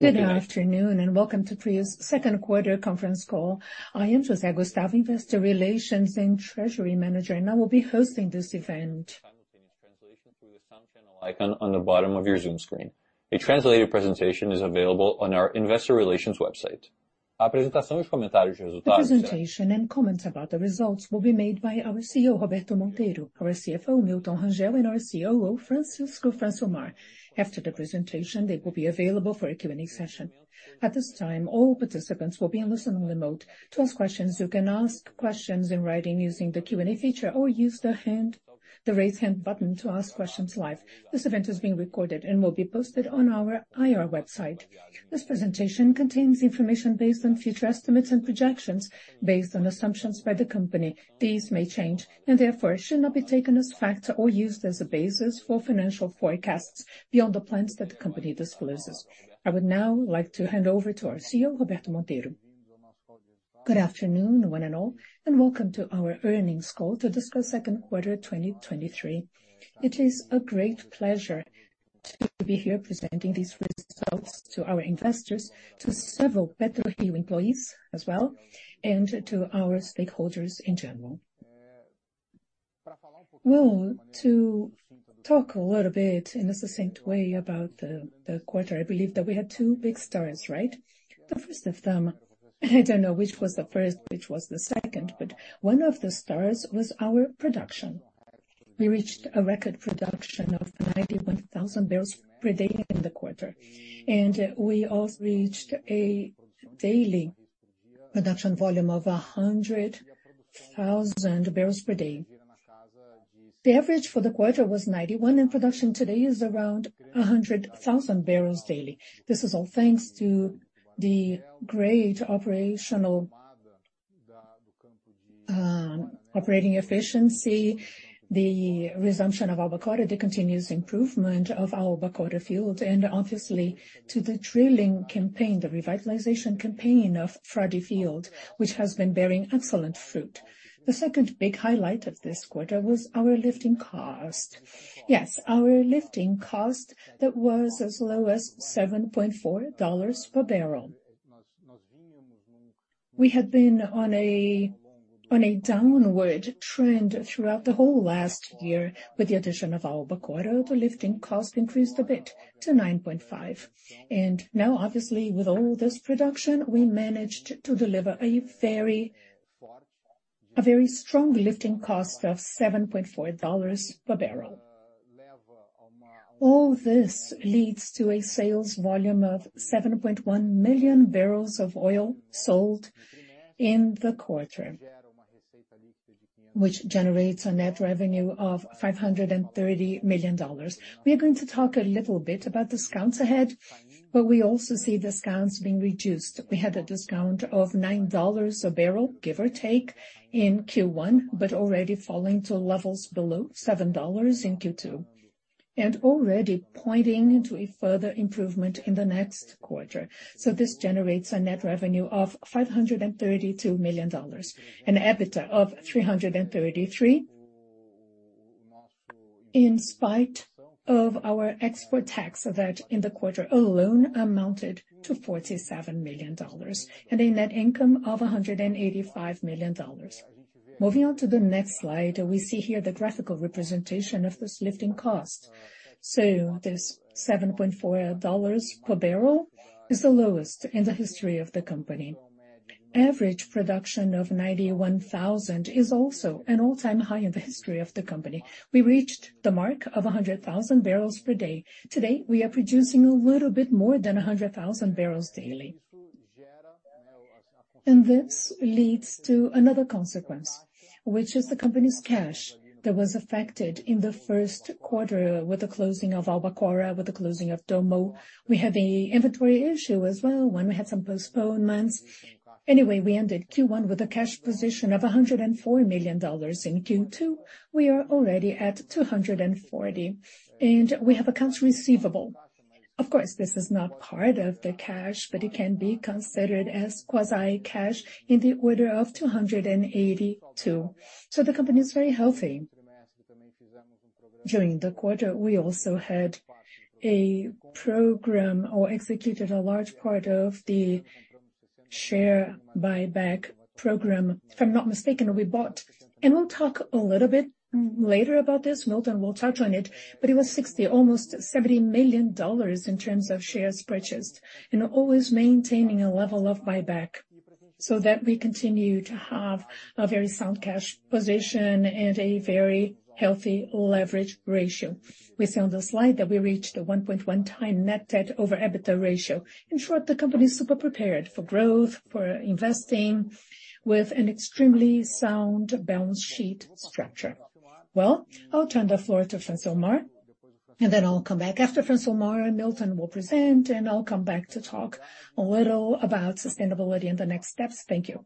Good afternoon, welcome to PRIO's second quarter conference call. I am Jose Gustavo, Investor Relations and Treasury Manager, and I will be hosting this event. Simultaneous translation through the sound channel icon on the bottom of your Zoom screen. A translated presentation is available on our investor relations website. The presentation and comments about the results will be made by our CEO, Roberto Monteiro, our CFO, Milton Rangel, and our COO, Francisco Francilmar. After the presentation, they will be available for a Q&A session. At this time, all participants will be in listen-only mode. To ask questions, you can ask questions in writing using the Q&A feature or use the hand, the Raise Hand button to ask questions live. This event is being recorded and will be posted on our IR website. This presentation contains information based on future estimates and projections based on assumptions by the company. These may change, and therefore, should not be taken as fact or used as a basis for financial forecasts beyond the plans that the company discloses. I would now like to hand over to our CEO, Roberto Monteiro. Good afternoon, one and all, and welcome to our earnings call to discuss second quarter 2023. It is a great pleasure to be here presenting these results to our investors, to several [Petro] employees as well, and to our stakeholders in general. Well, to talk a little bit in a succinct way about the quarter, I believe that we had two big stars, right? The first of them, I don't know which was the first, which was the second, but one of the stars was our production. We reached a record production of 91,000 barrels per day in the quarter, and we also reached a daily production volume of 100,000 barrels per day. The average for the quarter was 91, and production today is around 100,000 barrels daily. This is all thanks to the great operational operating efficiency, the resumption of Albacora, the continuous improvement of Albacora field, and obviously, to the drilling campaign, the revitalization campaign of Frade field, which has been bearing excellent fruit. The second big highlight of this quarter was our lifting cost. Yes, our lifting cost that was as low as $7.4 per barrel. We had been on a downward trend throughout the whole last year. With the addition of Albacora, the lifting cost increased a bit to $9.5. Now, obviously, with all this production, we managed to deliver a very strong lifting cost of $7.4 per barrel. All this leads to a sales volume of 7.1 million barrels of oil sold in the quarter, which generates a net revenue of $530 million. We are going to talk a little bit about discounts ahead, but we also see discounts being reduced. We had a discount of $9 a barrel, give or take, in Q1, but already falling to levels below $7 in Q2, already pointing to a further improvement in the next quarter. This generates a net revenue of $532 million, an EBITDA of $333 million, in spite of our export tax, that in the quarter alone amounted to $47 million, a net income of $185 million. Moving on to the next slide, we see here the graphical representation of this lifting cost. This $7.4 per barrel is the lowest in the history of the company. Average production of 91,000 is also an all-time high in the history of the company. We reached the mark of 100,000 barrels per day. Today, we are producing a little bit more than 100,000 barrels daily. This leads to another consequence, which is the company's cash that was affected in Q1 with the closing of Albacora, with the closing of Dommo. We had an inventory issue as well, when we had some postponements. Anyway, we ended Q1 with a cash position of $104 million. In Q2, we are already at $240 million, and we have accounts receivable. Of course, this is not part of the cash, but it can be considered as quasi-cash in the order of $282 million. The company is very healthy. During the quarter, we also had a program or executed a large part of the share buyback program. If I'm not mistaken, we bought, and we'll talk a little bit later about this, Milton will touch on it, but it was $60 million, almost $70 million in terms of shares purchased, and always maintaining a level of buyback so that we continue to have a very sound cash position and a very healthy leverage ratio. We see on the slide that we reached a 1.1x net debt/EBITDA ratio. In short, the company is super prepared for growth, for investing with an extremely sound balance sheet structure. Well, I'll turn the floor to Francilmar, and then I'll come back. After Francilmar, Milton will present, and I'll come back to talk a little about sustainability and the next steps. Thank you.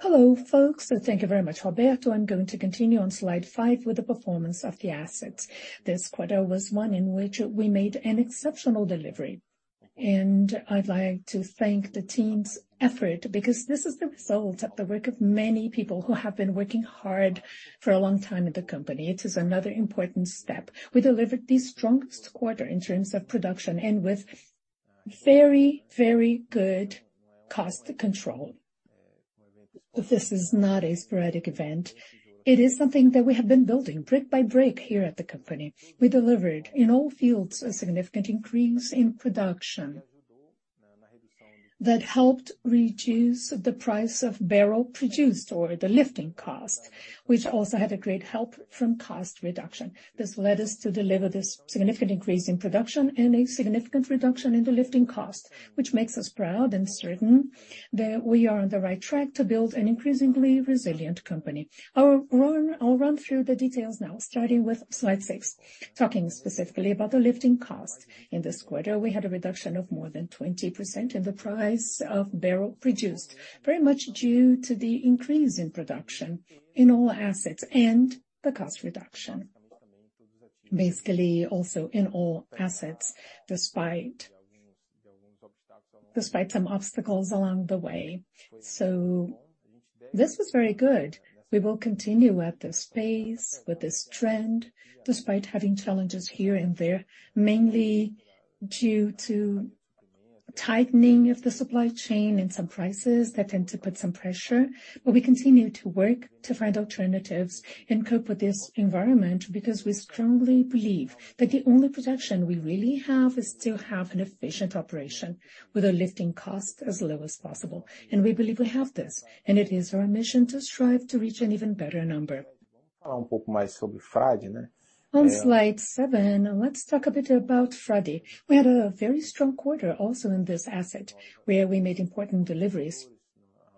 Hello, folks. Thank you very much, Roberto. I'm going to continue on slide five with the performance of the assets. This quarter was one in which we made an exceptional delivery, and I'd like to thank the team's effort because this is the result of the work of many people who have been working hard for a long time at the company. It is another important step. We delivered the strongest quarter in terms of production and with very, very good cost control. This is not a sporadic event. It is something that we have been building brick by brick here at the company. We delivered, in all fields, a significant increase in production that helped reduce the price of barrel produced or the lifting cost, which also had a great help from cost reduction. This led us to deliver this significant increase in production and a significant reduction in the lifting cost, which makes us proud and certain that we are on the right track to build an increasingly resilient company. I'll run through the details now, starting with slide six, talking specifically about the lifting cost. In this quarter, we had a reduction of more than 20% in the price of barrel produced, very much due to the increase in production in all assets and the cost reduction. Basically, also in all assets, despite some obstacles along the way. This was very good. We will continue at this pace, with this trend, despite having challenges here and there, mainly due to tightening of the supply chain and some prices that tend to put some pressure. We continue to work to find alternatives and cope with this environment, because we strongly believe that the only protection we really have is to have an efficient operation with a lifting cost as low as possible. We believe we have this, and it is our mission to strive to reach an even better number. On slide seven, let's talk a bit about Frade. We had a very strong quarter also in this asset, where we made important deliveries.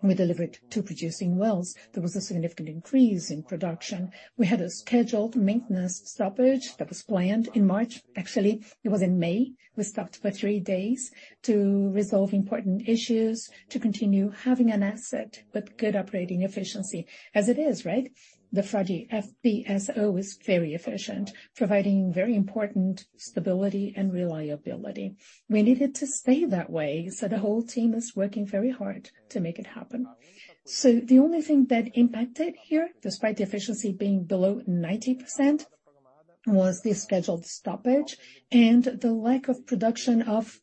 We delivered two producing wells. There was a significant increase in production. We had a scheduled maintenance stoppage that was planned in March. Actually, it was in May. We stopped for three days to resolve important issues, to continue having an asset with good operating efficiency as it is, right? The Frade FPSO is very efficient, providing very important stability and reliability. We need it to stay that way, the whole team is working very hard to make it happen. The only thing that impacted here, despite the efficiency being below 90%, was the scheduled stoppage and the lack of production of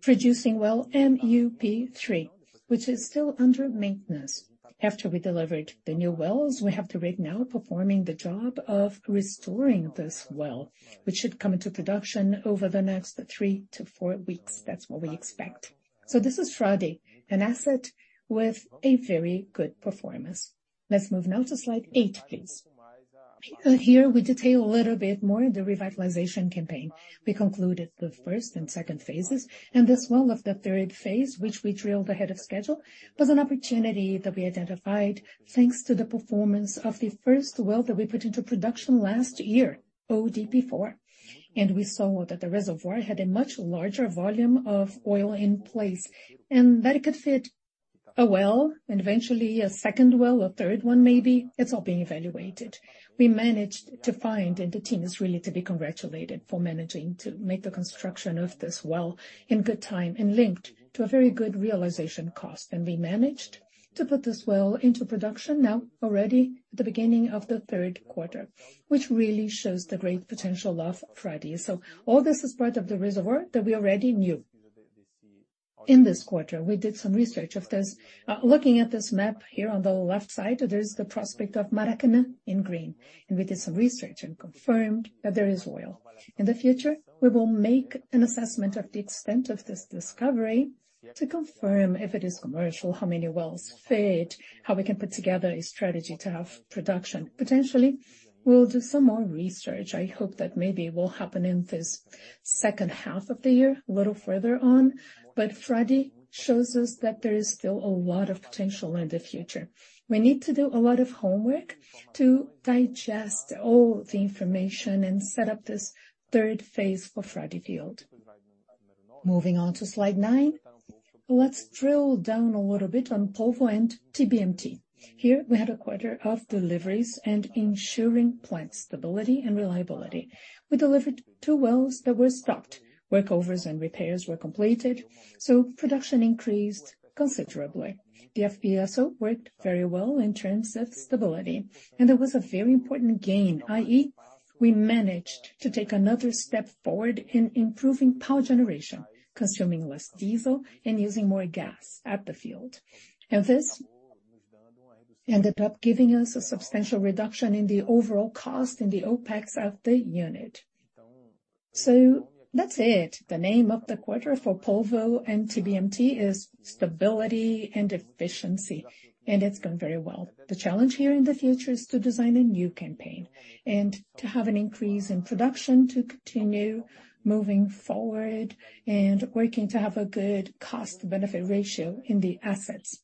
producing well MUP3, which is still under maintenance. After we delivered the new wells, we have to rig now, performing the job of restoring this well, which should come into production over the next three to four weeks. That's what we expect. This is Frade, an asset with a very good performance. Here we detail a little bit more the revitalization campaign. We concluded the first and second phases, and this well of the third phase, which we drilled ahead of schedule, was an opportunity that we identified thanks to the performance of the first well that we put into production last year, ODP4. We saw that the reservoir had a much larger volume of oil in place, and that it could fit a well and eventually a second well, a third one, maybe. It's all being evaluated. We managed to find, and the team is really to be congratulated for managing to make the construction of this well in good time and linked to a very good realization cost. We managed to put this well into production now already at the beginning of the third quarter, which really shows the great potential of Frade. All this is part of the reservoir that we already knew. In this quarter, we did some research of this. Looking at this map here on the left side, there is the prospect of Maracanã in green, and we did some research and confirmed that there is oil. In the future, we will make an assessment of the extent of this discovery to confirm if it is commercial, how many wells fit, how we can put together a strategy to have production. Potentially, we'll do some more research. I hope that maybe it will happen in this second half of the year, a little further on. Frade shows us that there is still a lot of potential in the future. We need to do a lot of homework to digest all the information and set up this third phase for Frade field. Moving on to slide nine, let's drill down a little bit on Polvo and TBMT. Here we had a quarter of deliveries and ensuring plant stability and reliability. We delivered two wells that were stopped. Workovers and repairs were completed, so production increased considerably. The FPSO worked very well in terms of stability, and there was a very important gain, i.e., we managed to take another step forward in improving power generation, consuming less diesel and using more gas at the field. This ended up giving us a substantial reduction in the overall cost and the OpEx of the unit. That's it. The name of the quarter for Polvo and TBMT is stability and efficiency, and it's going very well. The challenge here in the future is to design a new campaign and to have an increase in production, to continue moving forward and working to have a good cost-benefit ratio in the assets.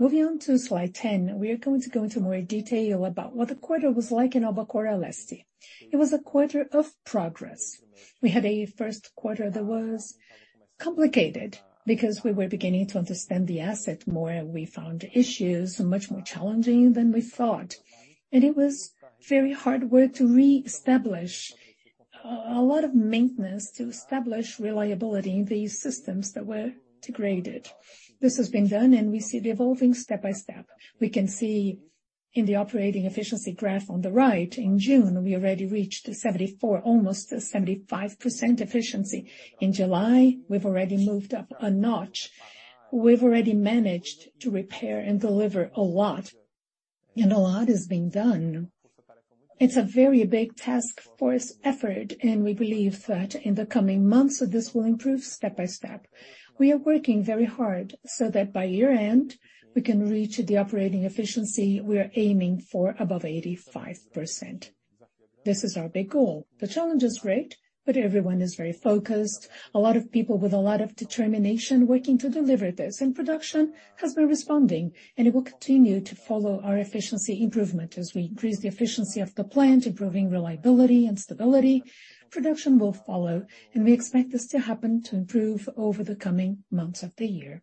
Moving on to slide 10, we are going to go into more detail about what the quarter was like in Albacora Leste. It was a quarter of progress. We had a first quarter that was complicated because we were beginning to understand the asset more, and we found issues much more challenging than we thought. It was very hard work to reestablish, a lot of maintenance to establish reliability in these systems that were degraded. This has been done, and we see it evolving step by step. We can see... In the operating efficiency graph on the right, in June, we already reached the 74, almost the 75% efficiency. In July, we've already moved up a notch. We've already managed to repair and deliver a lot, and a lot is being done. It's a very big task force effort. We believe that in the coming months, this will improve step by step. We are working very hard so that by year-end, we can reach the operating efficiency we are aiming for above 85%. This is our big goal. The challenge is great. Everyone is very focused. A lot of people with a lot of determination working to deliver this. Production has been responding. It will continue to follow our efficiency improvement. As we increase the efficiency of the plant, improving reliability and stability, production will follow. We expect this to happen to improve over the coming months of the year.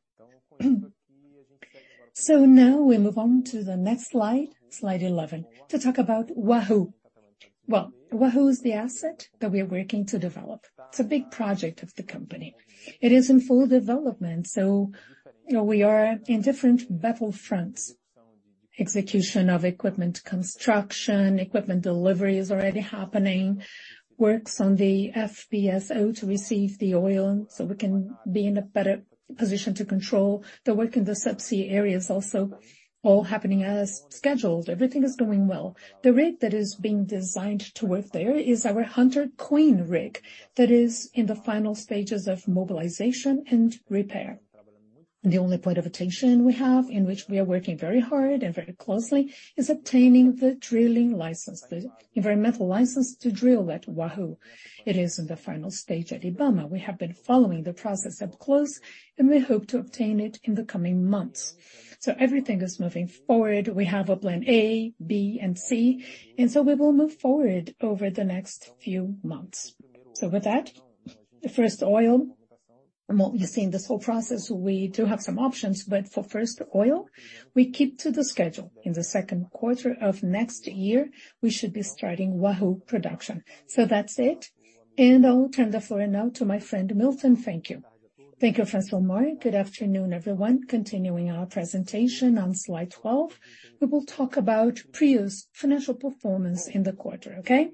Now we move on to the next slide, slide 11, to talk about Wahoo. Well, Wahoo is the asset that we are working to develop. It's a big project of the company. It is in full development, you know, we are in different battle fronts. Execution of equipment, construction, equipment delivery is already happening. Works on the FPSO to receive the oil, so we can be in a better position to control. The work in the subsea area is also all happening as scheduled. Everything is going well. The rig that is being designed to work there is our Hunter Queen rig, that is in the final stages of mobilization and repair. The only point of attention we have, in which we are working very hard and very closely, is obtaining the drilling license, the environmental license to drill at Wahoo. It is in the final stage at IBAMA. We have been following the process up close, and we hope to obtain it in the coming months. Everything is moving forward. We have a plan A, B, and C, and so we will move forward over the next few months. With that, the first oil, well, you see in this whole process, we do have some options, but for first oil, we keep to the schedule. In the second quarter of next year, we should be starting Wahoo production. That's it, and I'll turn the floor now to my friend, Milton. Thank you. Thank you, Francilmar. Good afternoon, everyone. Continuing our presentation on slide 12, we will talk about PRIO's financial performance in the quarter, okay?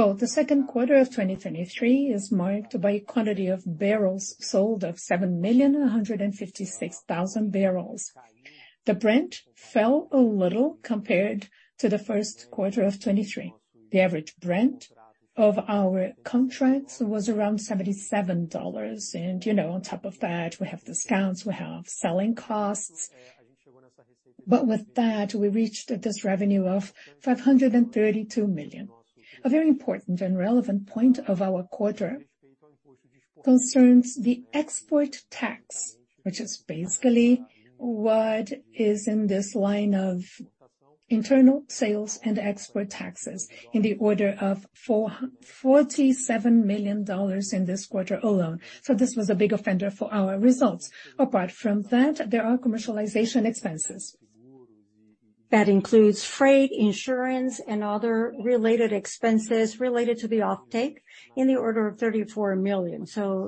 Well, the second quarter of 2023 is marked by quantity of barrels sold of 7,156,000 barrels. The Brent fell a little compared to the first quarter of 2023. The average Brent of our contracts was around $77, and, you know, on top of that, we have discounts, we have selling costs. With that, we reached this revenue of $532 million. A very important and relevant point of our quarter concerns the export tax, which is basically what is in this line of internal sales and export taxes in the order of $47 million in this quarter alone. This was a big offender for our results. Apart from that, there are commercialization expenses. That includes freight, insurance, and other related expenses related to the offtake in the order of $34 million.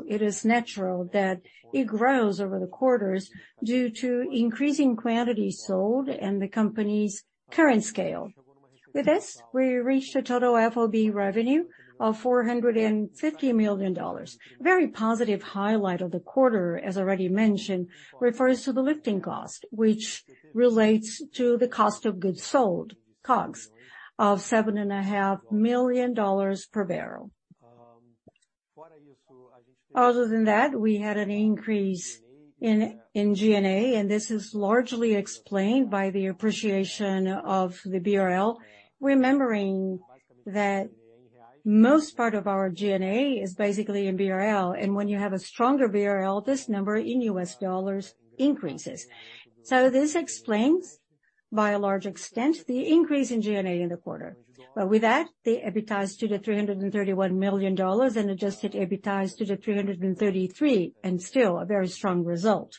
It is natural that it grows over the quarters due to increasing quantity sold and the company's current scale. With this, we reached a total FOB revenue of $450 million. Very positive highlight of the quarter, as already mentioned, refers to the lifting cost, which relates to the cost of goods sold, COGS, of $7.5 million per barrel. Other than that, we had an increase in, in GNA, and this is largely explained by the appreciation of the BRL. Remembering that most part of our GNA is basically in BRL, and when you have a stronger BRL, this number in U.S. dollars increases. This explains, by a large extent, the increase in GNA in the quarter. With that, the EBITDA is $231 million, and adjusted EBITDA is $233 million, and still a very strong result.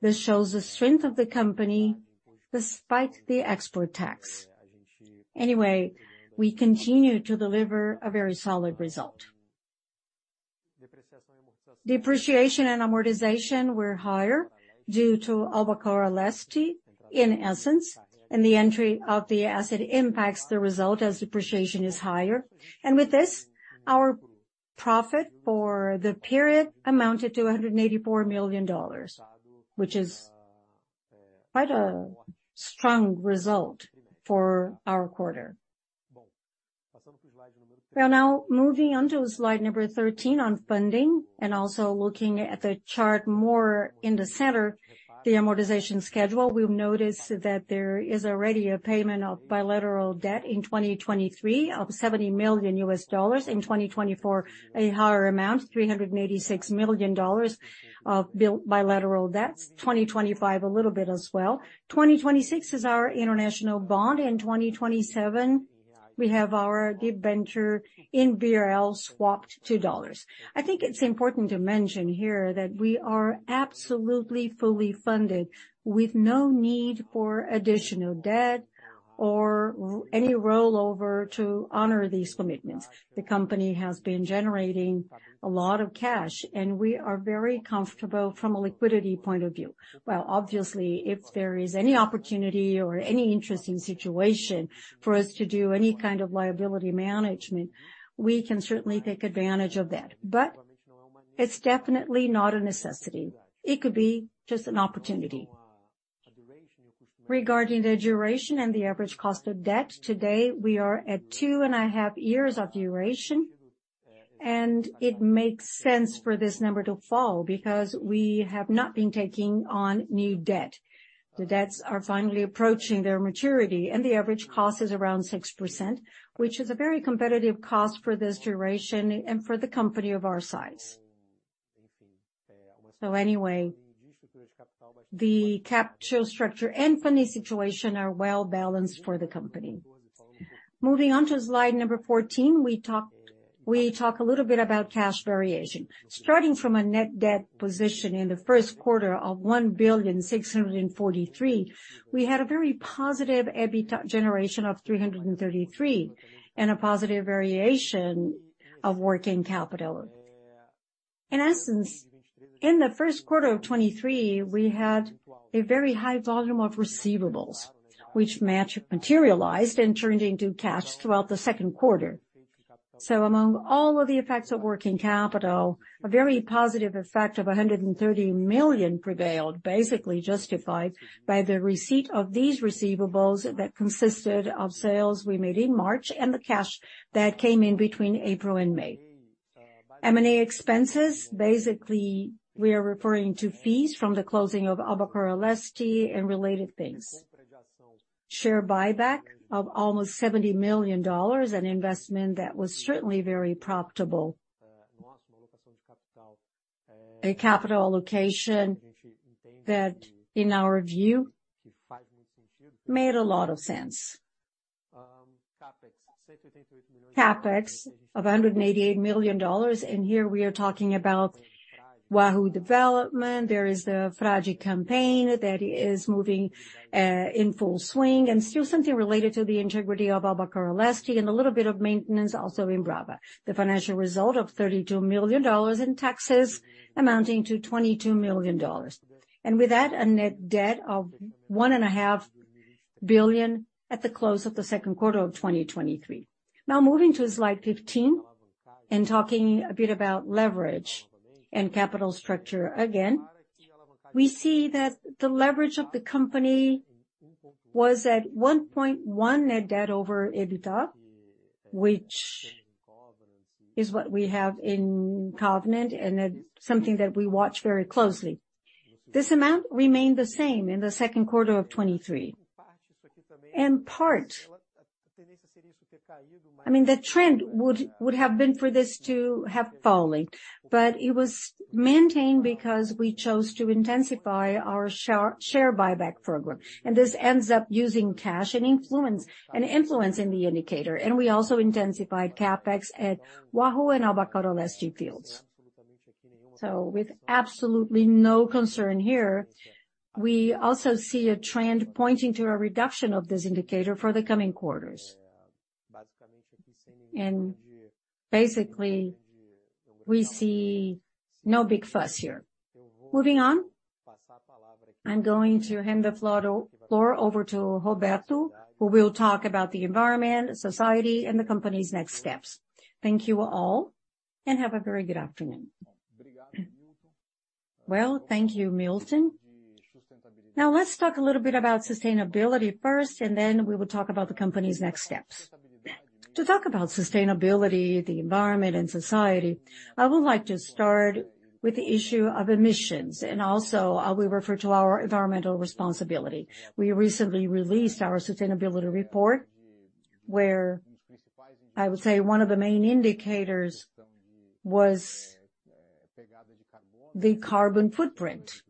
This shows the strength of the company despite the export tax. We continue to deliver a very solid result. Depreciation and amortization were higher due to Albacora Leste, in essence, and the entry of the asset impacts the result as depreciation is higher. With this, our profit for the period amounted to $184 million, which is quite a strong result for our quarter. We are now moving on to slide 13 on funding, and also looking at the chart more in the center, the amortization schedule. We've noticed that there is already a payment of bilateral debt in 2023 of $70 million. 2024, a higher amount, $386 million of bilateral debts. 2025, a little bit as well. 2026 is our international bond. 2027, we have our debenture in BRL swapped to U.S. dollars. I think it's important to mention here that we are absolutely fully funded with no need for additional debt or any rollover to honor these commitments. The company has been generating a lot of cash, and we are very comfortable from a liquidity point of view. Obviously, if there is any opportunity or any interesting situation for us to do any kind of liability management, we can certainly take advantage of that, but it's definitely not a necessity. It could be just an opportunity. Regarding the duration and the average cost of debt, today, we are at 2.5 years of duration, and it makes sense for this number to fall because we have not been taking on new debt. The debts are finally approaching their maturity, and the average cost is around 6%, which is a very competitive cost for this duration and for the company of our size. Anyway, the capital structure and funding situation are well balanced for the company. Moving on to slide number 14, we talk a little bit about cash variation. Starting from a net debt position in Q1 of $1.643 billion, we had a very positive EBITDA generation of $333 million, a positive variation of working capital. In essence, in the first quarter of 2023, we had a very high volume of receivables, which materialized and turned into cash throughout the second quarter. Among all of the effects of working capital, a very positive effect of $130 million prevailed, basically justified by the receipt of these receivables that consisted of sales we made in March and the cash that came in between April and May. M&A expenses, basically, we are referring to fees from the closing of Albacora Leste and related things. Share buyback of almost $70 million, an investment that was certainly very profitable. A capital allocation that, in our view, made a lot of sense. CapEx of $188 million, and here we are talking about Wahoo development. There is the Frade campaign that is moving in full swing, and still something related to the integrity of Albacora Leste, and a little bit of maintenance also in Brava. The financial result of $32 million in taxes amounting to $22 million. With that, a net debt of $1.5 billion at the close of 2Q 2023. Moving to slide 15 and talking a bit about leverage and capital structure again, we see that the leverage of the company was at 1.1 net debt/EBITDA, which is what we have in covenant, and it's something that we watch very closely. This amount remained the same in 2Q 2023. In part, I mean, the trend would, would have been for this to have falling. It was maintained because we chose to intensify our share buyback program. This ends up using cash and influence, and influencing the indicator. We also intensified CapEx at Wahoo and Albacora Leste fields. With absolutely no concern here, we also see a trend pointing to a reduction of this indicator for the coming quarters. Basically, we see no big fuss here. Moving on, I'm going to hand the floor over to Roberto, who will talk about the environment, society, and the company's next steps. Thank you all. Have a very good afternoon. Well, thank you, Milton. Now, let's talk a little bit about sustainability first. Then we will talk about the company's next steps. To talk about sustainability, the environment, and society, I would like to start with the issue of emissions, and also, we refer to our environmental responsibility. We recently released our sustainability report, where I would say one of the main indicators was the carbon footprint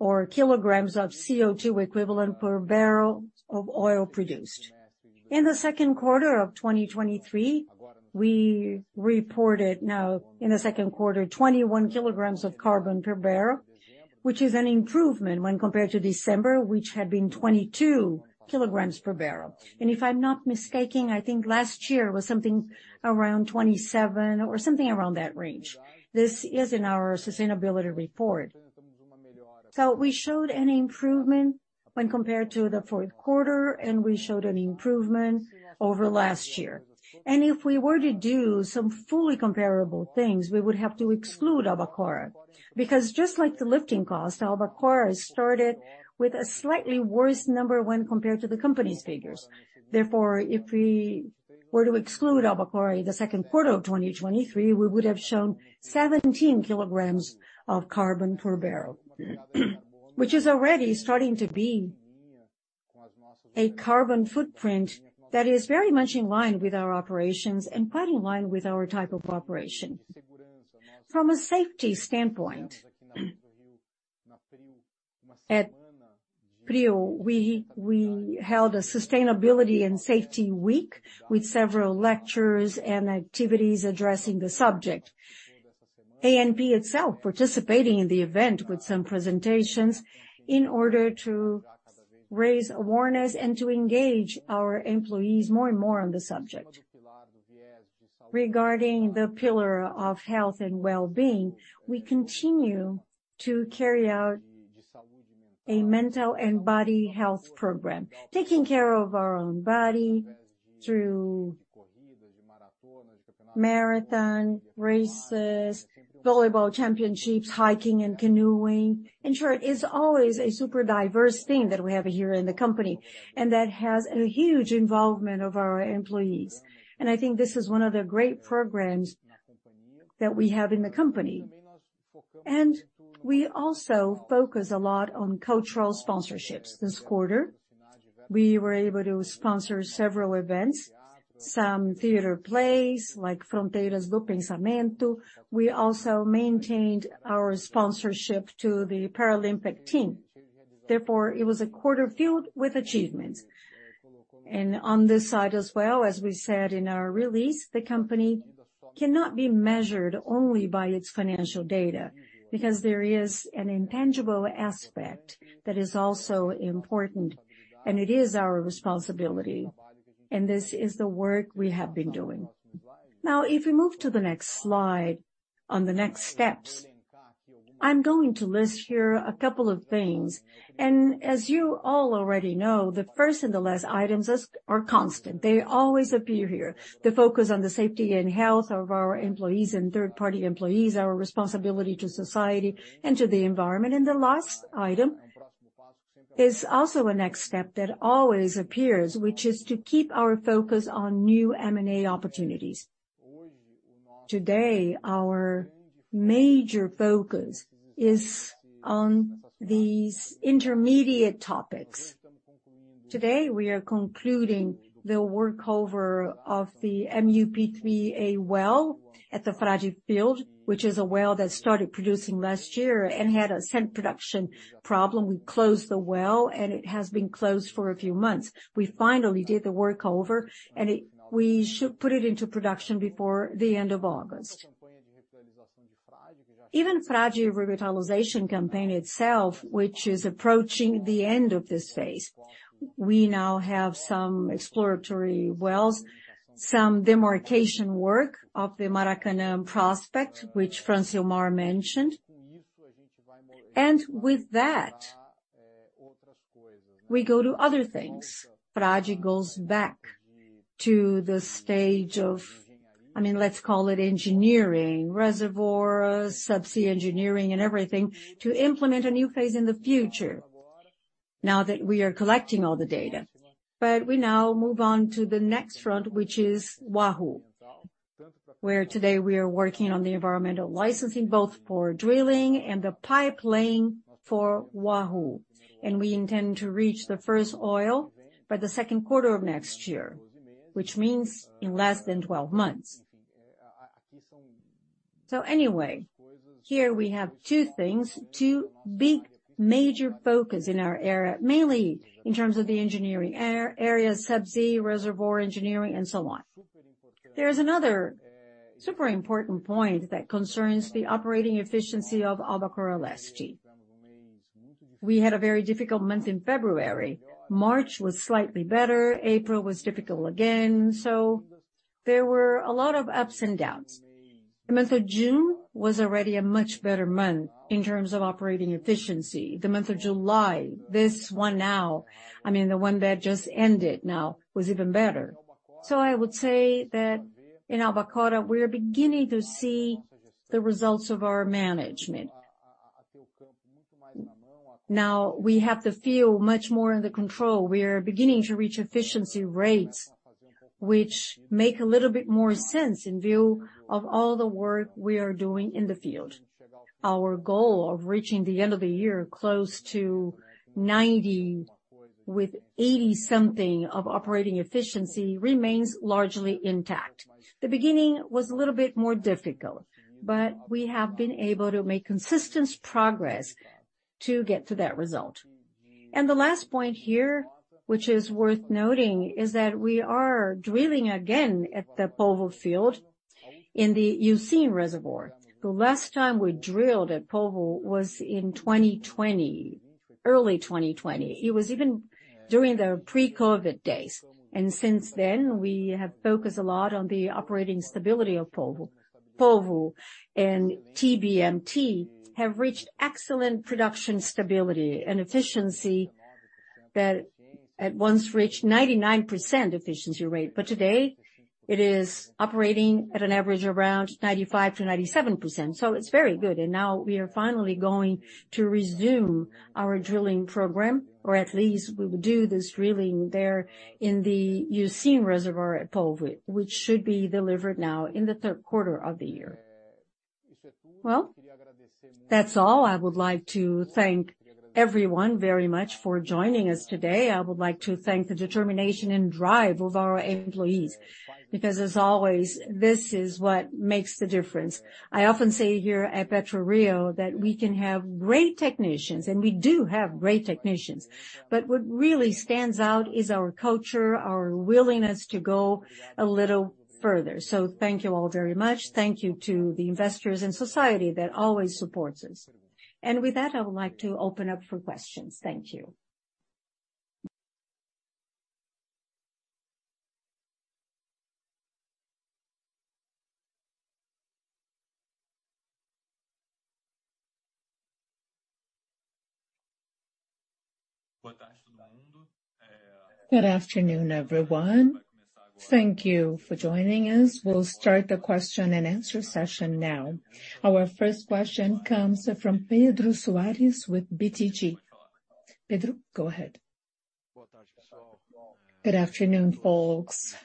or kilograms of CO2 equivalent per barrel of oil produced. In the second quarter of 2023, we reported now in the second quarter, 21 kg of carbon per barrel, which is an improvement when compared to December, which had been 22 kg per barrel. If I'm not mistaken, I think last year was something around 27 or something around that range. This is in our sustainability report. We showed an improvement when compared to the fourth quarter, and we showed an improvement over last year. If we were to do some fully comparable things, we would have to exclude Albacora, because just like the lifting cost, Albacora started with a slightly worse number when compared to the company's figures. Therefore, if we were to exclude Albacora in the second quarter of 2023, we would have shown 17 kg of carbon per barrel, which is already starting to be a carbon footprint that is very much in line with our operations and quite in line with our type of operation. From a safety standpoint, at PRIO, we held a sustainability and safety week with several lectures and activities addressing the subject. ANP itself participating in the event with some presentations, in order to raise awareness and to engage our employees more and more on the subject. Regarding the pillar of health and well-being, we continue to carry out a mental and body health program, taking care of our own body through marathon, races, volleyball championships, hiking and canoeing. In short, it's always a super diverse thing that we have here in the company, and that has a huge involvement of our employees. I think this is one of the great programs that we have in the company. We also focus a lot on cultural sponsorships. This quarter, we were able to sponsor several events, some theater plays, like Fronteiras do Pensamento. We also maintained our sponsorship to the Paralympic team. Therefore, it was a quarter filled with achievements. On this side as well, as we said in our release, the company cannot be measured only by its financial data, because there is an intangible aspect that is also important, and it is our responsibility, and this is the work we have been doing. If we move to the next slide, on the next steps, I'm going to list here a couple of things. As you all already know, the 1st and the last items are, are constant. They always appear here. The focus on the safety and health of our employees and third-party employees, our responsibility to society and to the environment. The last item is also a next step that always appears, which is to keep our focus on new M&A opportunities. Today, our major focus is on these intermediate topics. Today, we are concluding the workover of the MUP3A well at the Frade field, which is a well that started producing last year and had a sand production problem. We closed the well, it has been closed for a few months. We finally did the workover, we should put it into production before the end of August. Even Frade Revitalization campaign itself, which is approaching the end of this phase, we now have some exploratory wells, some demarcation work of the Maracanã prospect, which Francilmar mentioned. With that, we go to other things. Frade goes back to the stage of, I mean, let's call it engineering, reservoir, subsea engineering and everything, to implement a new phase in the future, now that we are collecting all the data. We now move on to the next front, which is Wahoo, where today we are working on the environmental licensing, both for drilling and the pipelaying for Wahoo. We intend to reach the first oil by the second quarter of next year, which means in less than 12 months. Anyway, here we have two things, two big major focus in our area, mainly in terms of the engineering areas, subsea, reservoir engineering, and so on. There is another super important point that concerns the operating efficiency of Albacora Leste. We had a very difficult month in February. March was slightly better, April was difficult again, so there were a lot of ups and downs. The month of June was already a much better month in terms of operating efficiency. The month of July, this one now, I mean, the one that just ended now, was even better. I would say that in Albacora, we are beginning to see the results of our management. We have the field much more under control. We are beginning to reach efficiency rates, which make a little bit more sense in view of all the work we are doing in the field. Our goal of reaching the end of the year, close to 90, with 80 something of operating efficiency, remains largely intact. The beginning was a little bit more difficult, but we have been able to make consistent progress to get to that result. The last point here, which is worth noting, is that we are drilling again at the Polvo field in the Eocene Reservoir. The last time we drilled at Polvo was in 2020, early 2020. It was even during the pre-COVID days. Since then, we have focused a lot on the operating stability of Polvo. Polvo and TBMT have reached excellent production stability and efficiency that at once reached 99% efficiency rate. Today, it is operating at an average around 95%-97%, so it's very good. Now we are finally going to resume our drilling program, or at least we will do this drilling there in the Eocene Reservoir at Polvo, which should be delivered now in the third quarter of the year. Well, that's all. I would like to thank everyone very much for joining us today. I would like to thank the determination and drive of our employees, because as always, this is what makes the difference. I often say here at PRIO, that we can have great technicians, and we do have great technicians, but what really stands out is our culture, our willingness to go a little further. Thank you all very much. Thank you to the investors and society that always supports us. With that, I would like to open up for questions. Thank you. Good afternoon, everyone. Thank you for joining us. We'll start the question and answer session now. Our first question comes from Pedro Suarez with BTG. Pedro, go ahead. Good afternoon, folks.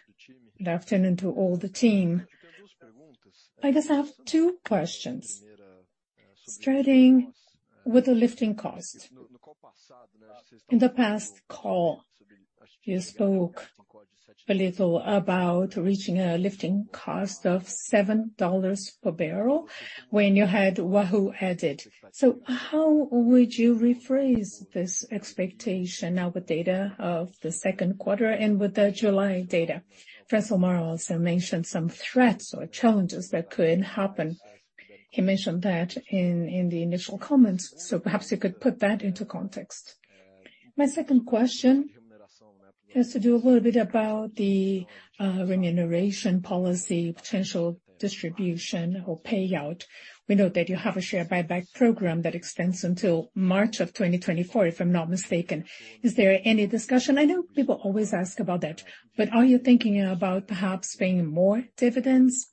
Good afternoon to all the team. I just have two questions starting with the lifting cost. In the past call, you spoke a little about reaching a lifting cost of $7 per barrel when you had Wahoo added. How would you rephrase this expectation now with data of the second quarter and with the July data? Francilmar also mentioned some threats or challenges that could happen. He mentioned that in the initial comments. Perhaps you could put that into context. My second question has to do a little bit about the remuneration policy, potential distribution or payout. We know that you have a share buyback program that extends until March of 2024, if I'm not mistaken. Is there any discussion? I know people always ask about that, but are you thinking about perhaps paying more dividends,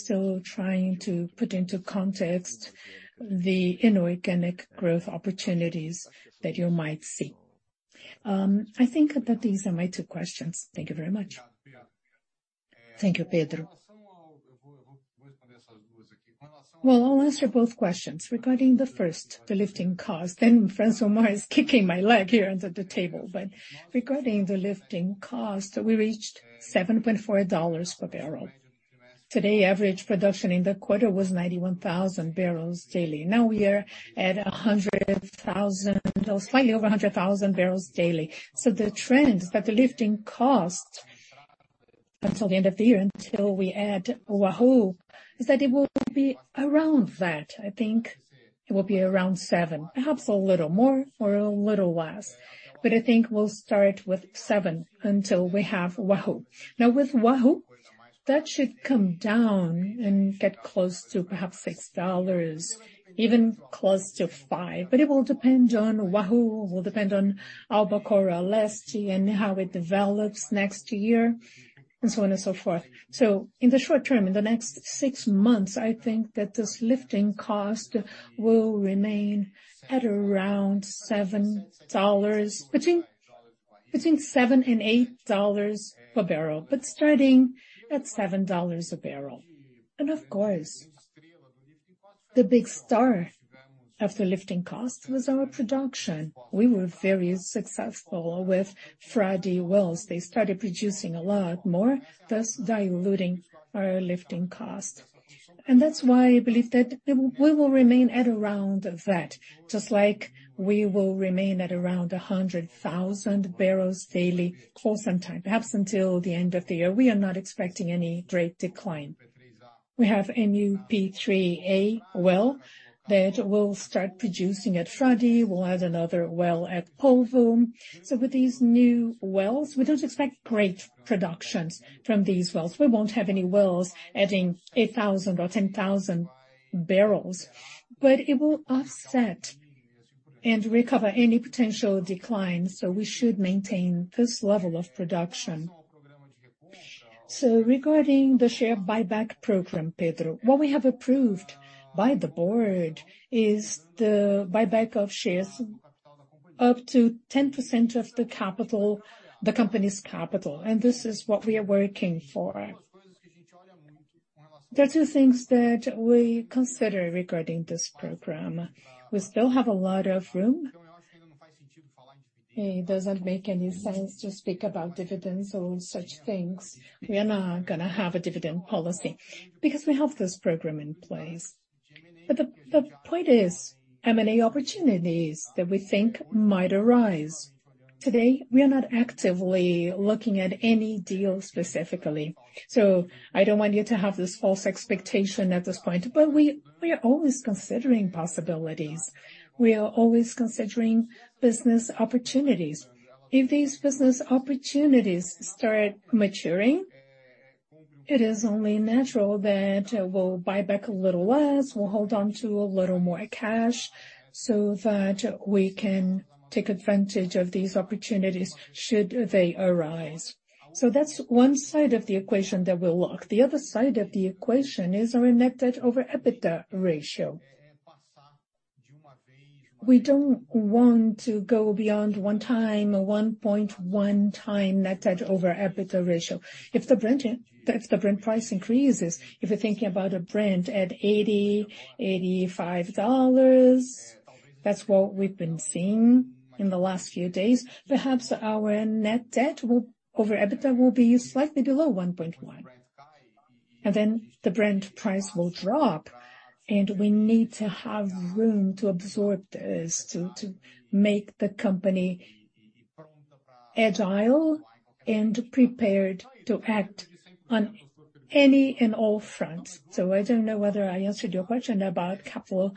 still trying to put into context the inorganic growth opportunities that you might see? I think that these are my two questions. Thank you very much. Thank you, Pedro. I'll answer both questions. Regarding the first, the lifting cost, and Francilmar is kicking my leg here under the table. Regarding the lifting cost, we reached $7.4 per barrel. Today, average production in the quarter was 91,000 barrels daily. Now we are at 100,000, or slightly over 100,000 barrels daily. The trend is that the lifting cost until the end of the year, until we add Wahoo, is that it will be around that. I think it will be around $7, perhaps a little more or a little less, but I think we'll start with $7 until we have Wahoo. With Wahoo, that should come down and get close to perhaps $6, even close to $5. It will depend on Wahoo, it will depend on Albacora Leste and how it develops next year, and so on and so forth. In the short term, in the next six months, I think that this lifting cost will remain at around $7, between $7 and $8 per barrel, but starting at $7 a barrel. Of course, the big star of the lifting cost was our production. We were very successful with Frade wells. They started producing a lot more, thus diluting our lifting cost. That's why I believe that we will remain at around that, just like we will remain at around 100,000 barrels daily for some time, perhaps until the end of the year. We are not expecting any great decline. We have a new P3-A well that will start producing at Frade. We'll add another well at Polvo. With these new wells, we don't expect great productions from these wells. We won't have any wells adding 8,000 or 10,000 barrels, but it will offset and recover any potential declines, so we should maintain this level of production. Regarding the share buyback program, Pedro, what we have approved by the board is the buyback of shares up to 10% of the capital, the company's capital, and this is what we are working for. There are two things that we consider regarding this program. We still have a lot of room. It doesn't make any sense to speak about dividends or such things. We are not going to have a dividend policy because we have this program in place. The point is M&A opportunities that we think might arise. Today, we are not actively looking at any deal specifically, so I don't want you to have this false expectation at this point. We, we are always considering possibilities. We are always considering business opportunities. If these business opportunities start maturing, it is only natural that we'll buy back a little less. We'll hold on to a little more cash so that we can take advantage of these opportunities should they arise. That's one side of the equation that we'll look. The other side of the equation is our net debt over EBITDA ratio. We don't want to go beyond 1 time or 1.1 time net debt over EBITDA ratio. If the Brent, if the Brent price increases, if you're thinking about a Brent at $80-$85, that's what we've been seeing in the last few days, perhaps our net debt will, over EBITDA will be slightly below 1.1. Then the Brent price will drop, and we need to have room to absorb this, to, to make the company agile and prepared to act on any and all fronts. I don't know whether I answered your question about capital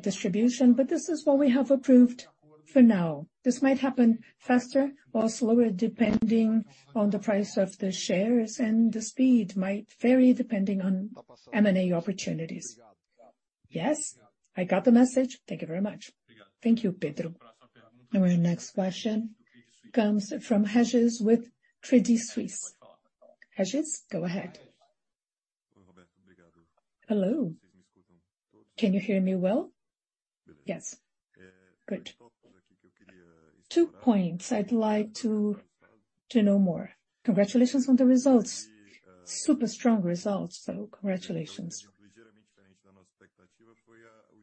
distribution, but this is what we have approved. For now, this might happen faster or slower, depending on the price of the shares, and the speed might vary depending on M&A opportunities. Yes, I got the message. Thank you very much. Thank you, Pedro. Our next question comes from Regis with Credit Suisse. Regis, go ahead. Hello. Can you hear me well? Yes. Good. Two points I'd like to know more. Congratulations on the results. Super strong results, so congratulations.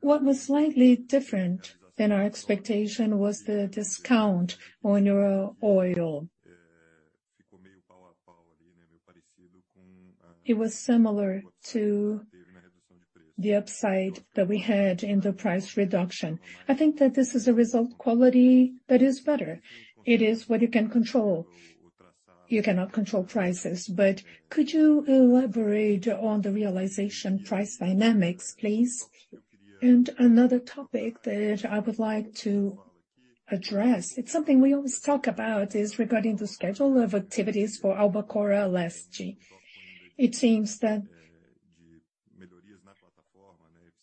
What was slightly different than our expectation was the discount on your oil. It was similar to the upside that we had in the price reduction. I think that this is a result quality that is better. It is what you can control. You cannot control prices, but could you elaborate on the realization price dynamics, please? Another topic that I would like to address, it's something we always talk about, is regarding the schedule of activities for Albacora Leste. It seems that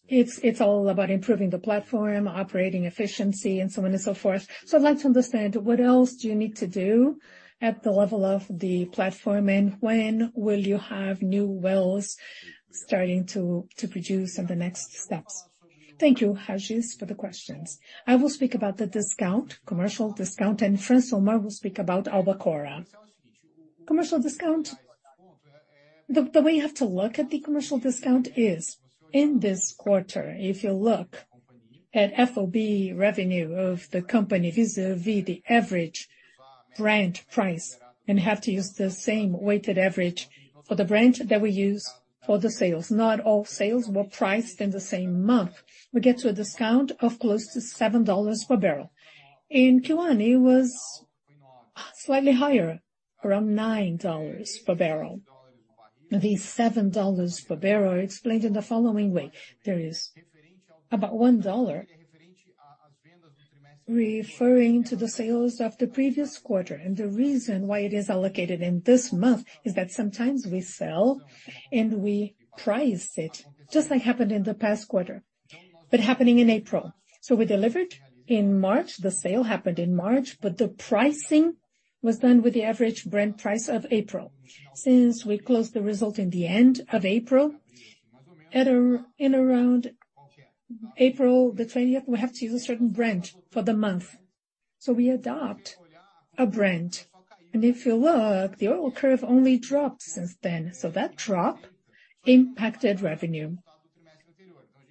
it's all about improving the platform, operating efficiency, and so on and so forth. I'd like to understand, what else do you need to do at the level of the platform, and when will you have new wells starting to produce on the next steps? Thank you, Regis, for the questions. I will speak about the discount, commercial discount, and Francilmar, I will speak about Albacora. Commercial discount, the way you have to look at the commercial discount is, in this quarter, if you look at FOB revenue of the company, vis-à-vis the average Brent price, and have to use the same weighted average for the Brent that we use for the sales. Not all sales were priced in the same month. We get to a discount of close to $7 per barrel. In Q1, it was slightly higher, around $9 per barrel. The $7 per barrel are explained in the following way: There is about $1 referring to the sales of the previous quarter, and the reason why it is allocated in this month is that sometimes we sell and we price it, just like happened in the past quarter, but happening in April. We delivered in March, the sale happened in March, but the pricing was done with the average Brent price of April. Since we closed the result in the end of April, in around April 20th, we have to use a certain Brent for the month. We adopt a Brent, and if you look, the oil curve only dropped since then. That drop impacted revenue,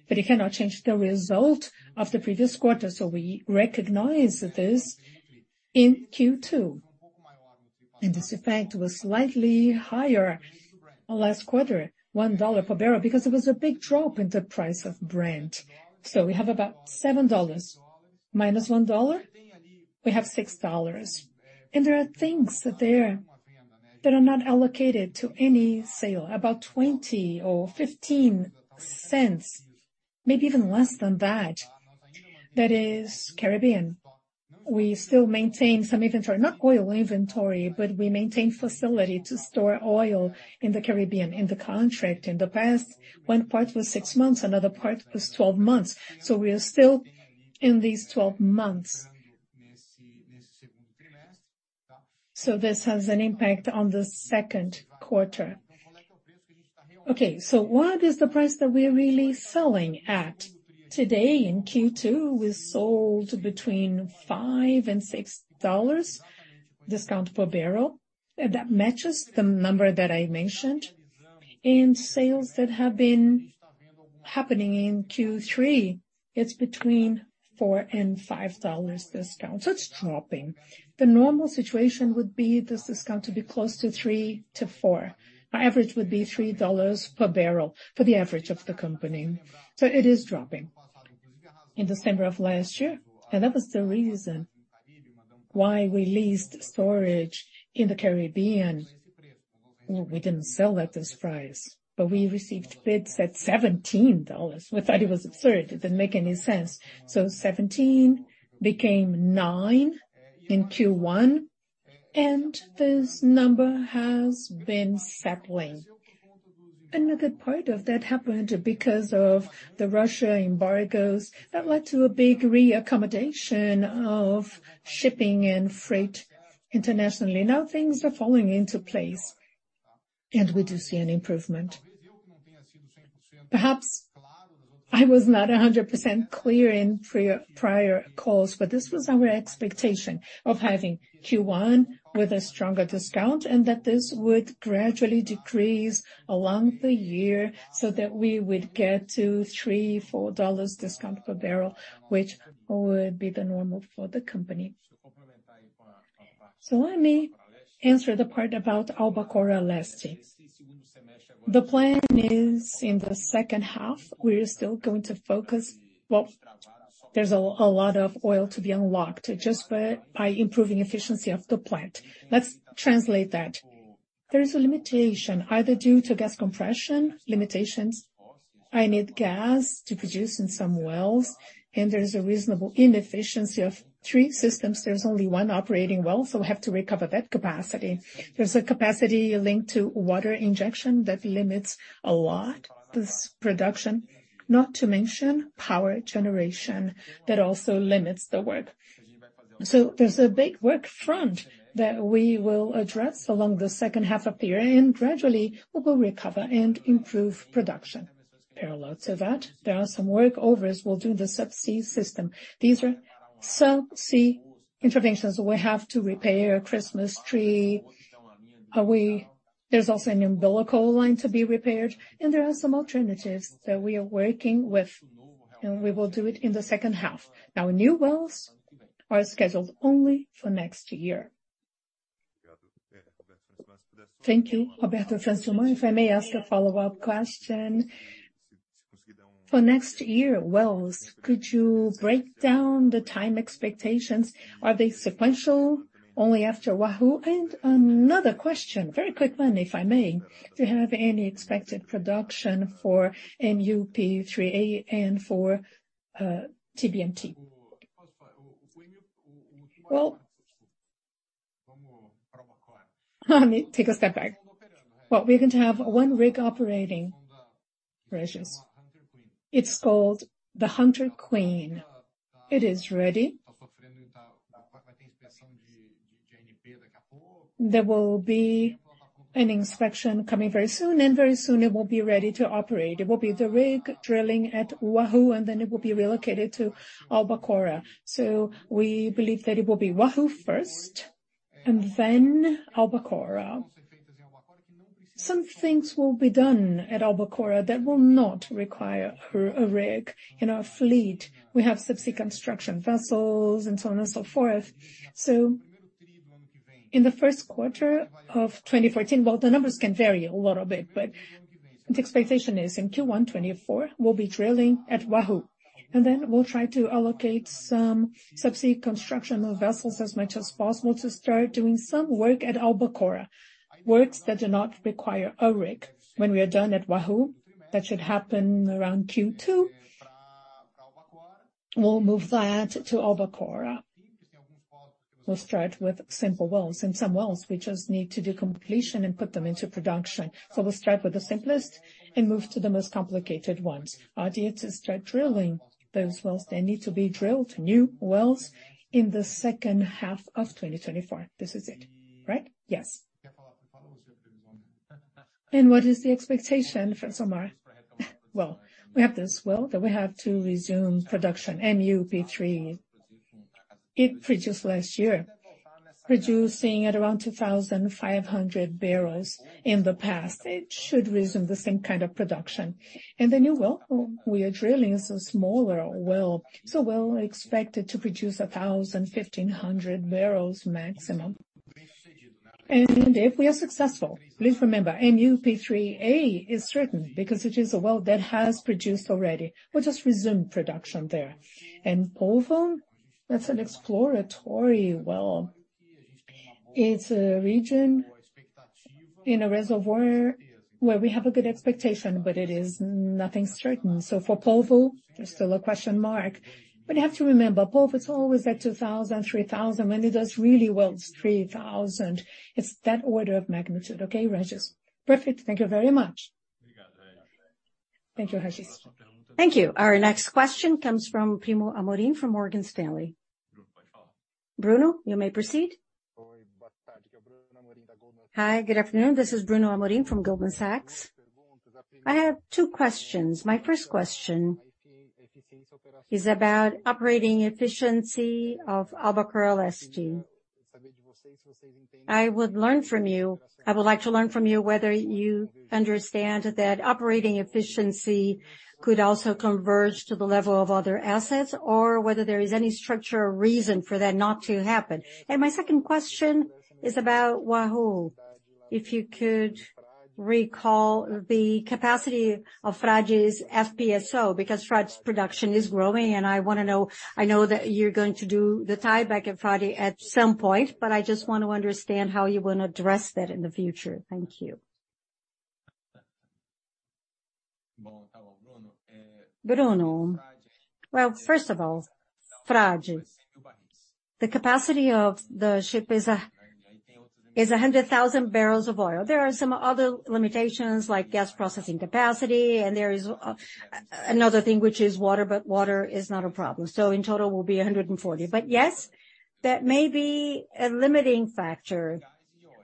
but it cannot change the result of the previous quarter, so we recognize this in Q2, and this effect was slightly higher last quarter, $1 per barrel, because it was a big drop in the price of Brent. We have about $7, minus $1, we have $6. There are things there that are not allocated to any sale, about $0.20 or $0.15, maybe even less than that. That is Caribbean. We still maintain some inventory, not oil inventory, but we maintain facility to store oil in the Caribbean, in the contract. In the past, one part was six months, another part was 12 months, so we are still in these 12 months. This has an impact on the second quarter. What is the price that we're really selling at? Today in Q2, we sold between $5-$6 discount per barrel, and that matches the number that I mentioned. In sales that have been happening in Q3, it's between $4-$5 discount, so it's dropping. The normal situation would be this discount to be close to $3-$4. Our average would be $3 per barrel for the average of the company. It is dropping. In December of last year, that was the reason why we leased storage in the Caribbean. We didn't sell at this price, but we received bids at $17. We thought it was absurd, it didn't make any sense. $17 became $9 in Q1, and this number has been settling. Another part of that happened because of the Russia embargoes that led to a big reaccommodation of shipping and freight internationally. Things are falling into place, and we do see an improvement. Perhaps I was not 100% clear in prior calls, but this was our expectation of having Q1 with a stronger discount, and that this would gradually decrease along the year so that we would get to a $3-$4 discount per barrel, which would be the normal for the company. Let me answer the part about Albacora Leste. The plan is in the second half, we are still going to focus. Well, there's a lot of oil to be unlocked just by improving efficiency of the plant. Let's translate that. There is a limitation, either due to gas compression limitations. I need gas to produce in some wells. There is a reasonable inefficiency of three systems. There's only one operating well. We have to recover that capacity. There's a capacity linked to water injection that limits a lot this production, not to mention power generation, that also limits the work. There's a big work front that we will address along the second half of the year. Gradually we will recover and improve production. Parallel to that, there are some workovers we'll do the subsea system. These are subsea interventions. We have to repair a Christmas tree. There's also an umbilical line to be repaired. There are some alternatives that we are working with. We will do it in the second half. New wells are scheduled only for next year. Thank you, Roberto, Francilmar. If I may ask a follow-up question. For next year wells, could you break down the time expectations? Are they sequential, only after Wahoo? Another question, very quick one, if I may, do you have any expected production for MUP3A and for TBMT? Well, let me take a step back. Well, we're going to have one rig operating, Regis. It's called the Hunter Queen. It is ready. There will be an inspection coming very soon, and very soon it will be ready to operate. It will be the rig drilling at Wahoo, and then it will be relocated to Albacora. We believe that it will be Wahoo first and then Albacora. Some things will be done at Albacora that will not require a rig. In our fleet, we have subsea construction vessels and so on and so forth. In the first quarter of 2014, well, the numbers can vary a lot of bit, but the expectation is in Q1 2024, we'll be drilling at Wahoo, and then we'll try to allocate some subsea constructional vessels as much as possible to start doing some work at Albacora. Works that do not require a rig. When we are done at Wahoo, that should happen around Q2, we'll move that to Albacora. We'll start with simple wells. In some wells, we just need to do completion and put them into production. We'll start with the simplest and move to the most complicated ones. Idea to start drilling those wells, they need to be drilled, new wells, in the second half of 2024. This is it, right? Yes. What is the expectation for summer? Well, we have this well that we have to resume production, MUP3. It produced last year, producing at around 2,500 barrels in the past. It should resume the same kind of production. The new well we are drilling is a smaller well, so well expected to produce 1,000-1,500 barrels maximum. If we are successful, please remember, MUP3A is certain because it is a well that has produced already. We'll just resume production there. Polvo, that's an exploratory well. It's a region in a reservoir where we have a good expectation, but it is nothing certain. For Polvo, there's still a question mark. You have to remember, Polvo is always at 2,000, 3,000, when it does really well, it's 3,000. It's that order of magnitude. Okay, Regis? Perfect. Thank you very much. Thank you, Regis. Thank you. Our next question comes from Bruno Amorim, from Morgan Stanley. Bruno, you may proceed. Hi, good afternoon. This is Bruno Amorim from Goldman Sachs. I have two questions. My first question is about operating efficiency of Albacora Leste. I would like to learn from you whether you understand that operating efficiency could also converge to the level of other assets, or whether there is any structural reason for that not to happen. My second question is about Wahoo. If you could recall the capacity of Frade FPSO, because Frade's production is growing, and I want to know... I know that you're going to do the tieback at Frade at some point, but I just want to understand how you will address that in the future. Thank you. Bruno, well, first of all, Frade, the capacity of the ship is a, is a 100,000 barrels of oil. There are some other limitations, like gas processing capacity, and there is another thing, which is water, but water is not a problem. In total, will be 140. Yes, that may be a limiting factor.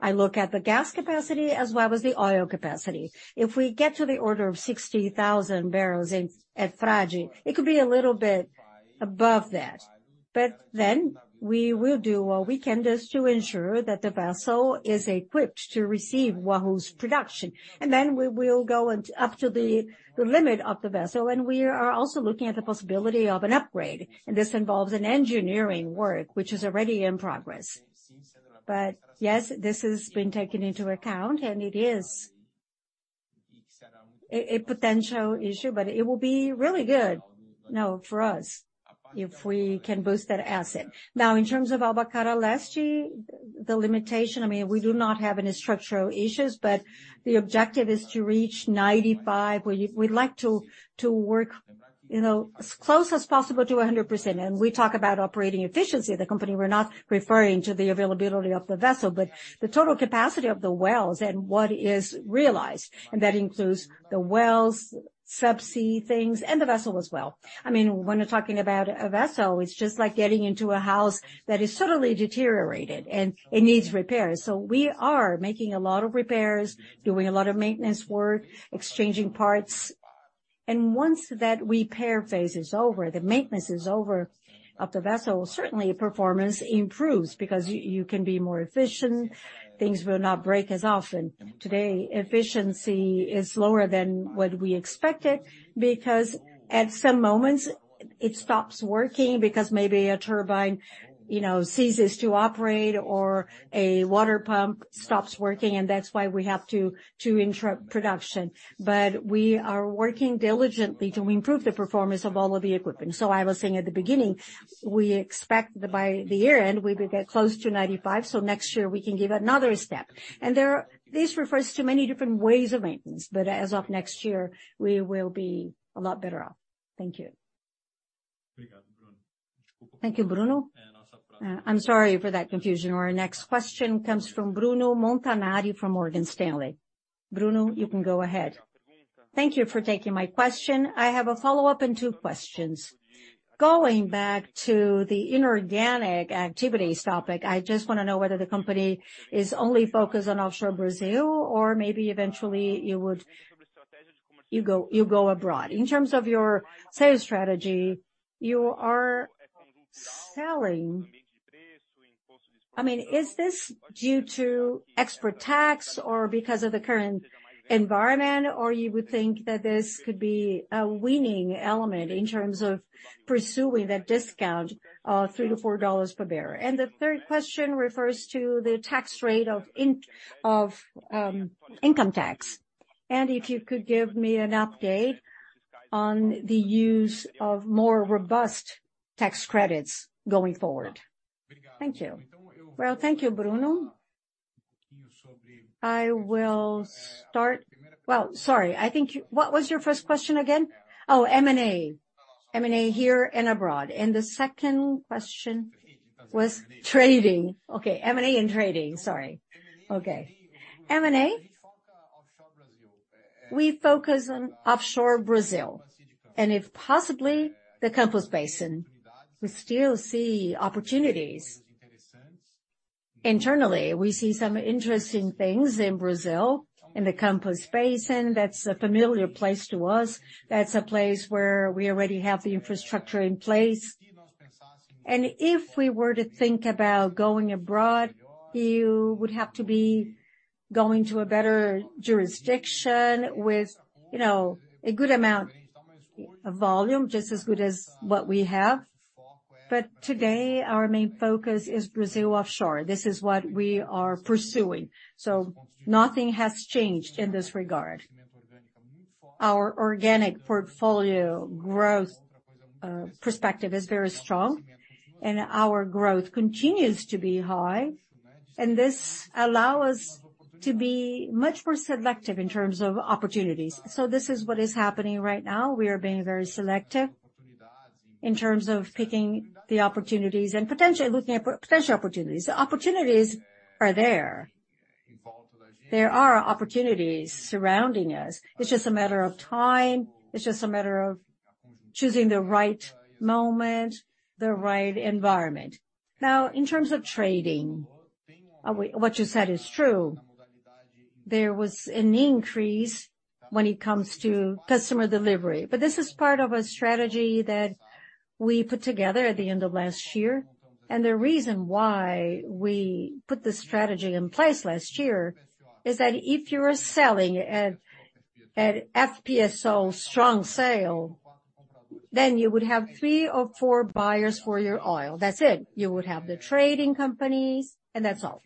I look at the gas capacity as well as the oil capacity. If we get to the order of 60,000 barrels at, at Frade, it could be a little bit above that, but then we will do what we can just to ensure that the vessel is equipped to receive Wahoo's production, and then we will go up to the, the limit of the vessel. We are also looking at the possibility of an upgrade, and this involves an engineering work, which is already in progress. Yes, this has been taken into account. A potential issue, but it will be really good, you know, for us if we can boost that asset. In terms of Albacora Leste, the limitation, I mean, we do not have any structural issues, but the objective is to reach 95. We'd like to work, you know, as close as possible to 100%. We talk about operating efficiency of the company, we're not referring to the availability of the vessel, but the total capacity of the wells and what is realized, and that includes the wells, subsea things, and the vessel as well. I mean, when we're talking about a vessel, it's just like getting into a house that is totally deteriorated, and it needs repairs. We are making a lot of repairs, doing a lot of maintenance work, exchanging parts. Once that repair phase is over, the maintenance is over, of the vessel, certainly performance improves because you can be more efficient, things will not break as often. Today, efficiency is lower than what we expected, because at some moments it stops working because maybe a turbine, you know, ceases to operate, or a water pump stops working, and that's why we have to, to interrupt production. We are working diligently to improve the performance of all of the equipment. I was saying at the beginning, we expect that by the year end, we will get close to 95%, so next year we can give another step. This refers to many different ways of maintenance, but as of next year, we will be a lot better off. Thank you. Thank you, Bruno. I'm sorry for that confusion. Our next question comes from Bruno Montanari from Morgan Stanley. Bruno, you can go ahead. Thank you for taking my question. I have a follow-up and two questions. Going back to the inorganic activities topic, I just want to know whether the company is only focused on offshore Brazil, or maybe eventually you would go abroad. In terms of your sales strategy, you are selling... I mean, is this due to export tax or because of the current environment? Or you would think that this could be a winning element in terms of pursuing that discount of $3-$4 per barrel? The third question refers to the tax rate of income tax. If you could give me an update on the use of more robust tax credits going forward. Thank you. Well, thank you, Bruno. I will start-- Well, sorry, I think you... What was your first question again? Oh, M&A. M&A here and abroad. The second question was trading. Okay, M&A and trading. Sorry. Okay. M&A, we focus on offshore Brazil, and if possibly, the Campos Basin. We still see opportunities. Internally, we see some interesting things in Brazil, in the Campos Basin. That's a familiar place to us. That's a place where we already have the infrastructure in place. If we were to think about going abroad, you would have to be going to a better jurisdiction with, you know, a good amount of volume, just as good as what we have. But today, our main focus is Brazil offshore. This is what we are pursuing, so nothing has changed in this regard. Our organic portfolio growth, perspective is very strong, and our growth continues to be high, and this allow us to be much more selective in terms of opportunities. This is what is happening right now. We are being very selective in terms of picking the opportunities and potentially looking at potential opportunities. The opportunities are there. There are opportunities surrounding us. It's just a matter of time, it's just a matter of choosing the right moment, the right environment. Now, in terms of trading, what you said is true. There was an increase when it comes to customer delivery, but this is part of a strategy that we put together at the end of last year. The reason why we put this strategy in place last year, is that if you are selling at FPSO strong sale, then you would have three or four buyers for your oil. That's it. You would have the trading companies, and that's all.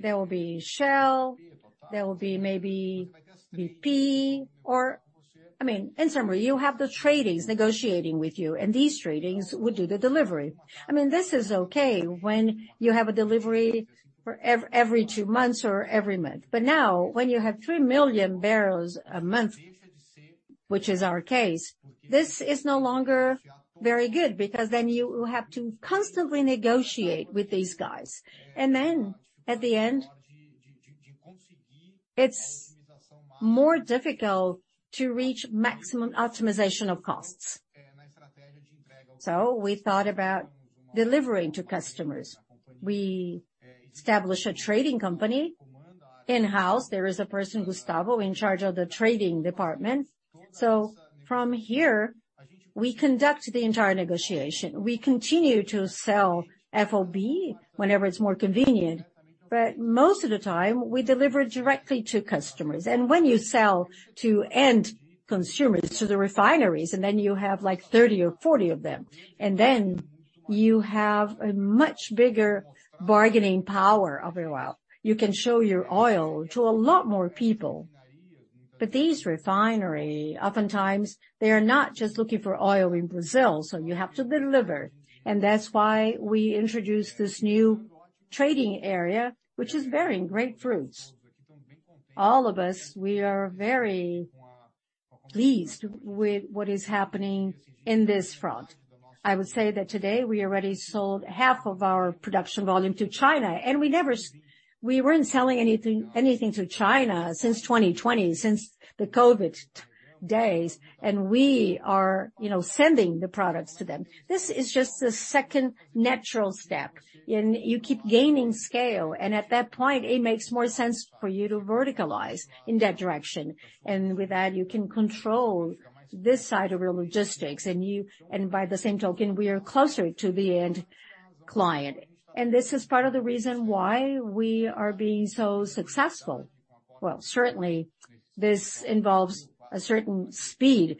There will be Shell, there will be maybe BP, or... I mean, in summary, you have the tradings negotiating with you, these tradings would do the delivery. I mean, this is okay when you have a delivery for every two months or every month. Now, when you have 3 million barrels a month, which is our case, this is no longer very good, because then you will have to constantly negotiate with these guys. Then, at the end, it's more difficult to reach maximum optimization of costs. We thought about delivering to customers. We established a trading company in-house. There is a person, Gustavo, in charge of the trading department. From here, we conduct the entire negotiation. We continue to sell FOB whenever it's more convenient, but most of the time, we deliver directly to customers. When you sell to end consumers, to the refineries, and then you have, like, 30 or 40 of them. You have a much bigger bargaining power overall. You can show your oil to a lot more people, but these refineries, oftentimes, they are not just looking for oil in Brazil, so you have to deliver. That's why we introduced this new trading area, which is bearing great fruits. All of us, we are very pleased with what is happening in this front. I would say that today, we already sold half of our production volume to China, and we never we weren't selling anything, anything to China since 2020, since the COVID days, and we are, you know, sending the products to them. This is just the second natural step, and you keep gaining scale, and at that point, it makes more sense for you to verticalize in that direction. With that, you can control this side of your logistics, and by the same token, we are closer to the end client. This is part of the reason why we are being so successful. Well, certainly, this involves a certain speed,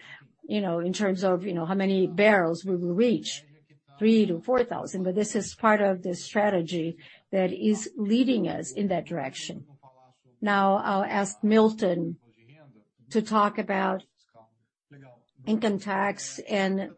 you know, in terms of, you know, how many barrels we will reach, 3,000-4,000 barrels, but this is part of the strategy that is leading us in that direction. Now, I'll ask Milton to talk about income tax and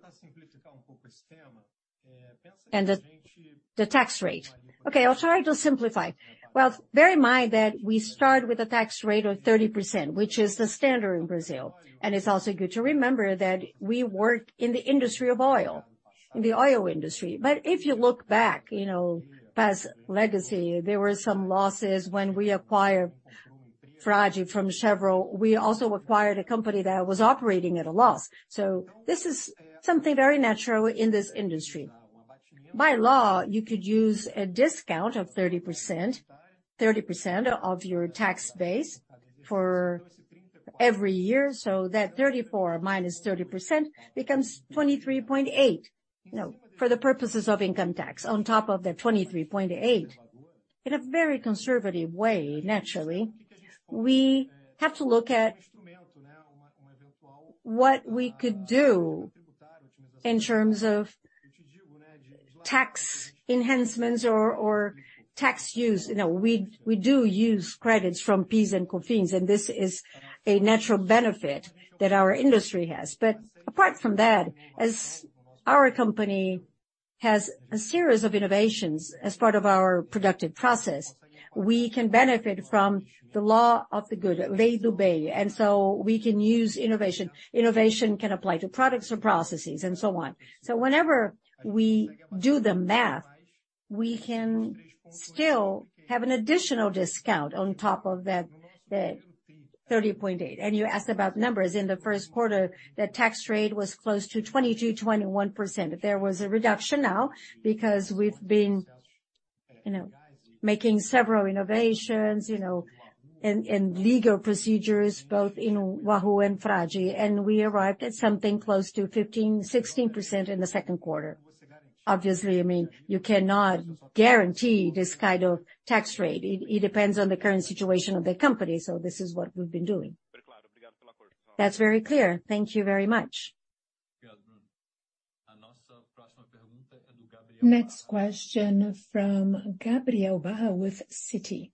the tax rate. Okay, I'll try to simplify. Well, bear in mind that we start with a tax rate of 30%, which is the standard in Brazil. It's also good to remember that we work in the industry of oil, in the oil industry. If you look back, you know, past legacy, there were some losses when we acquired Frade from Chevron. We also acquired a company that was operating at a loss. This is something very natural in this industry. By law, you could use a discount of 30%, 30% of your tax base for every year, so that 34 minus 30% becomes 23.8, you know, for the purposes of income tax. On top of the 23.8, in a very conservative way, naturally, we have to look at what we could do in terms of tax enhancements or, or tax use. You know, we, we do use credits from PIS and COFINS, and this is a natural benefit that our industry has. Apart from that, as our company has a series of innovations as part of our productive process, we can benefit from the law of the good, Lei do Bem, we can use innovation. Innovation can apply to products or processes and so on. Whenever we do the math, we can still have an additional discount on top of that, the 30.8. You asked about numbers. In Q1, the tax rate was close to 22%-21%. There was a reduction now because we've been, you know, making several innovations, you know, and legal procedures, both in Wahoo and Frade, and we arrived at something close to 15%-16% in Q2. Obviously, I mean, you cannot guarantee this kind of tax rate. It, it depends on the current situation of the company. This is what we've been doing. That's very clear. Thank you very much. Next question from Gabriel Barra with Citi.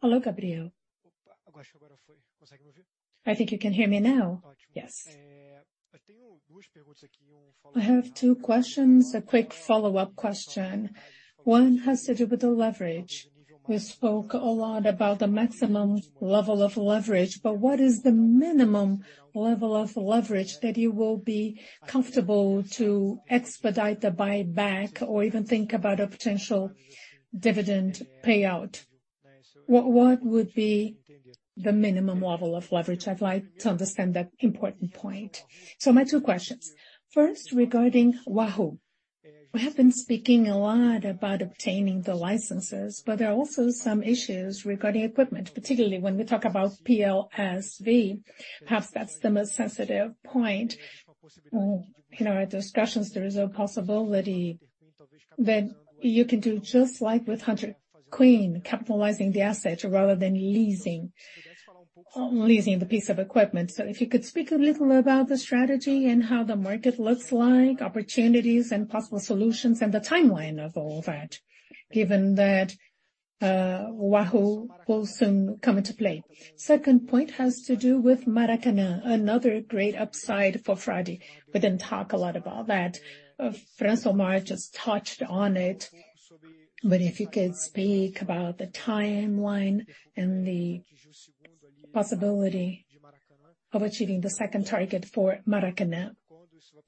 Hello, Gabriel. I think you can hear me now? Yes. I have two questions, a quick follow-up question. One has to do with the leverage. We spoke a lot about the maximum level of leverage, but what is the minimum level of leverage that you will be comfortable to expedite the buyback or even think about a potential dividend payout? What, what would be the minimum level of leverage? I'd like to understand that important point. My two questions. First, regarding Wahoo. We have been speaking a lot about obtaining the licenses, but there are also some issues regarding equipment, particularly when we talk about PLSV. Perhaps that's the most sensitive point. In our discussions, there is a possibility that you can do just like with Hunter Queen, capitalizing the asset rather than leasing, leasing the piece of equipment. If you could speak a little about the strategy and how the market looks like, opportunities and possible solutions, and the timeline of all that, given that Wahoo will soon come into play. Second point has to do with Maracanã, another great upside for Frade. We didn't talk a lot about that. Francilmar just touched on it, but if you could speak about the timeline and the possibility of achieving the second target for Maracanã.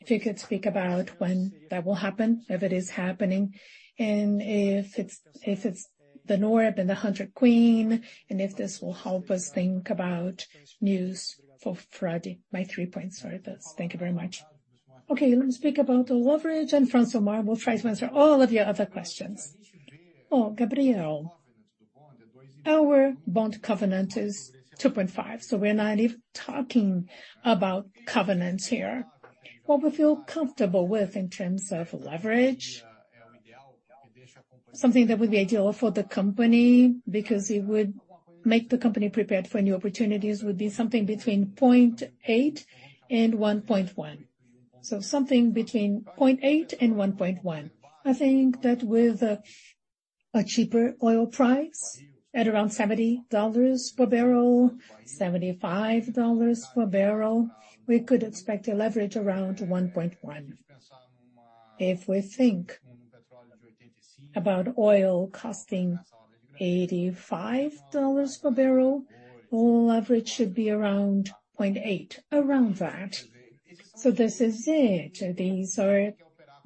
If you could speak about when that will happen, if it is happening, and if it's, if it's the North and the Hunter Queen, and if this will help us think about news for Frade. My three points. Sorry about that. Thank you very much. Okay, let me speak about the leverage. Francilmar will try to answer all of your other questions. Oh, Gabriel, our bond covenant is 2.5. We're not even talking about covenants here. What we feel comfortable with in terms of leverage? Something that would be ideal for the company, because it would make the company prepared for new opportunities, would be something between 0.8 and 1.1. Something between 0.8 and 1.1. I think that with a, a cheaper oil price at around $70 per barrel, $75 per barrel, we could expect a leverage around 1.1. If we think about oil costing $85 per barrel, all average should be around 0.8, around that. This is it. These are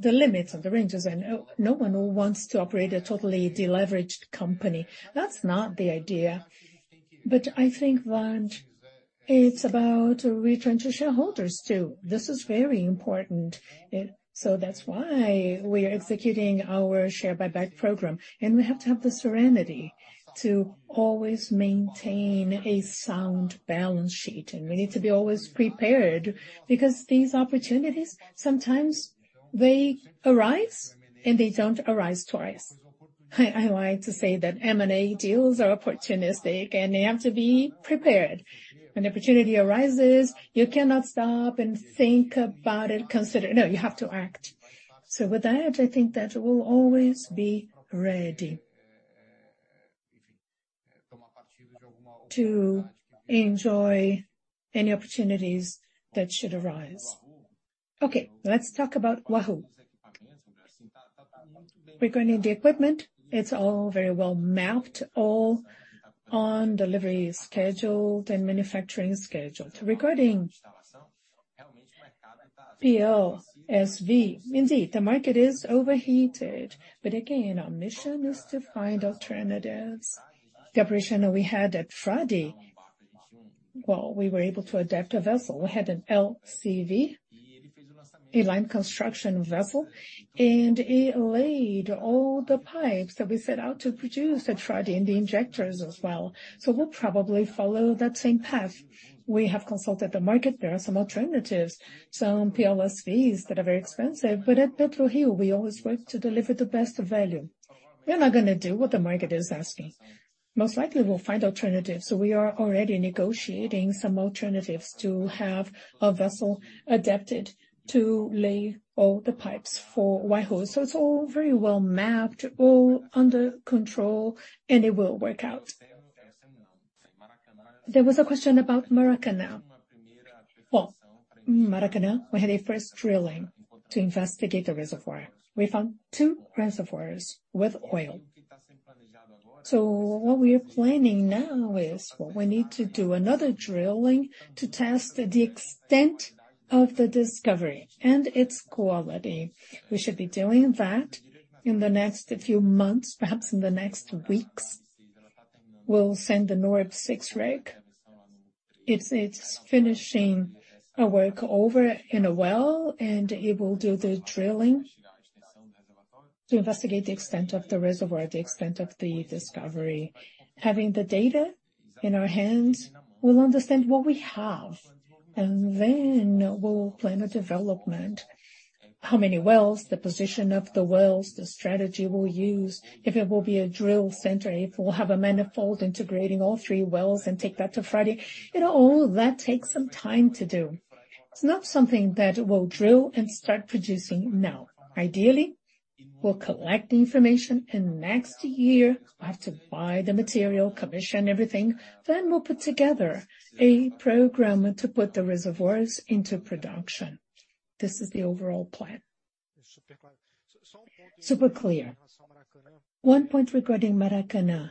the limits of the ranges, and no one wants to operate a totally deleveraged company. That's not the idea. I think that it's about returning to shareholders, too. This is very important. That's why we are executing our share buyback program, and we have to have the serenity to always maintain a sound balance sheet, and we need to be always prepared, because these opportunities, sometimes they arise, and they don't arise twice. I, I like to say that M&A deals are opportunistic, and you have to be prepared. When opportunity arises, you cannot stop and think about it, consider. No, you have to act. With that, I think that we'll always be ready to enjoy any opportunities that should arise. Okay, let's talk about Wahoo. Regarding the equipment, it's all very well mapped, all on delivery schedule and manufacturing schedule. Regarding POSV, indeed, the market is overheated, but again, our mission is to find alternatives. The operation that we had at Frade, well, we were able to adapt a vessel. We had an LCV, a line construction vessel, and it laid all the pipes that we set out to produce at Frade and the injectors as well. We'll probably follow that same path. We have consulted the market. There are some alternatives, some POSVs that are very expensive, but at PRIO, we always work to deliver the best value. We're not going to do what the market is asking. Most likely, we'll find alternatives. We are already negotiating some alternatives to have a vessel adapted to lay all the pipes for Wahoo. It's all very well mapped, all under control, and it will work out. There was a question about Maracanã. Maracanã, we had a first drilling to investigate the reservoir. We found two reservoirs with oil. What we are planning now is, well, we need to do another drilling to test the extent of the discovery and its quality. We should be doing that in the next few months, perhaps in the next weeks. We'll send the Norbe VI rig. It's finishing a work over in a well, and it will do the drilling to investigate the extent of the reservoir, the extent of the discovery. Having the data in our hands, we'll understand what we have, and then we'll plan a development. How many wells, the position of the wells, the strategy we'll use, if it will be a drill center, if we'll have a manifold integrating all three wells and take that to Frade, you know, all that takes some time to do. It's not something that we'll drill and start producing now. Ideally, we'll collect the information, and next year, we'll have to buy the material, commission everything, then we'll put together a program to put the reservoirs into production. This is the overall plan. Super clear. One point regarding Maracanã,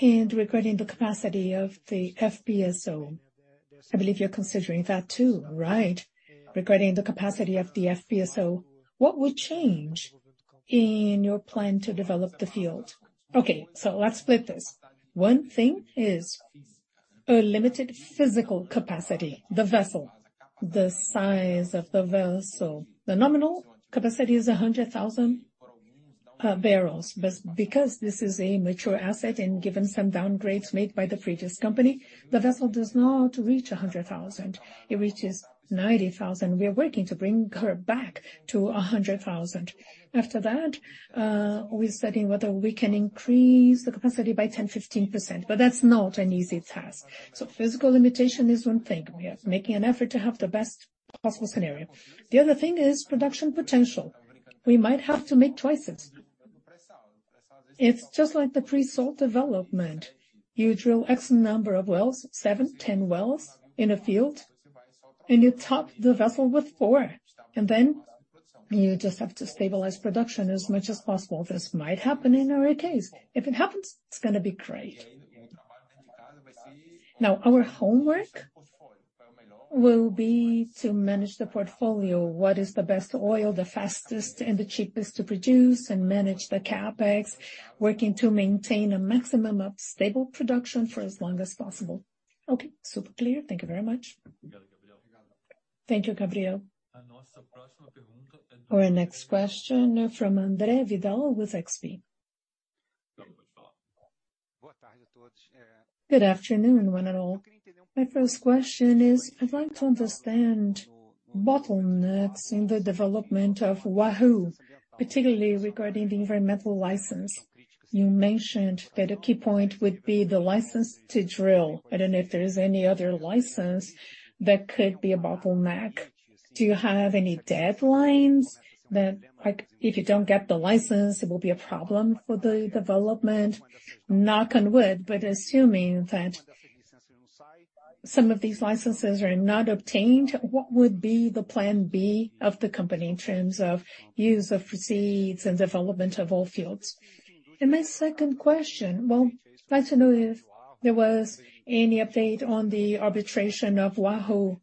and regarding the capacity of the FPSO, I believe you're considering that, too, right? Regarding the capacity of the FPSO, what would change in your plan to develop the field? Okay, let's split this. One thing is a limited physical capacity, the vessel, the size of the vessel. The nominal capacity is 100,000 barrels, but because this is a mature asset and given some downgrades made by the previous company, the vessel does not reach 100,000. It reaches 90,000. We are working to bring her back to 100,000. After that, we're studying whether we can increase the capacity by 10%, 15%, that's not an easy task. Physical limitation is one thing. We are making an effort to have the best possible scenario. The other thing is production potential. We might have to make choices. It's just like the pre-salt development. You drill X number of wells, seven, 10 wells in a field, you top the vessel with four, then you just have to stabilize production as much as possible. This might happen in our case. If it happens, it's going to be great. Our homework will be to manage the portfolio. What is the best oil, the fastest and the cheapest to produce manage the CapEx, working to maintain a maximum of stable production for as long as possible. Super clear. Thank you very much. Thank you, Gabriel. Our next question from André Vidal with XP. Good afternoon, one and all. My first question is, I'd like to understand bottlenecks in the development of Wahoo, particularly regarding the environmental license. You mentioned that a key point would be the license to drill. I don't know if there is any other license that could be a bottleneck. Do you have any deadlines that, like, if you don't get the license, it will be a problem for the development? Knock on wood, assuming that some of these licenses are not obtained, what would be the plan B of the company in terms of use of proceeds and development of oil fields? My second question, well, like to know if there was any update on the arbitration of Wahoo,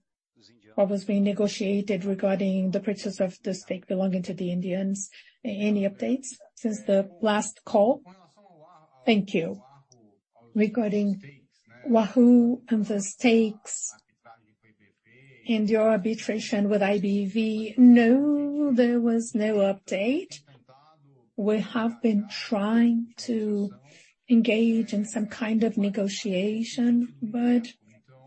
what was being negotiated regarding the purchase of the stake belonging to the Indians. Any updates since the last call? Thank you. Regarding Wahoo and the stakes and your arbitration with IBV, no, there was no update. We have been trying to engage in some kind of negotiation, but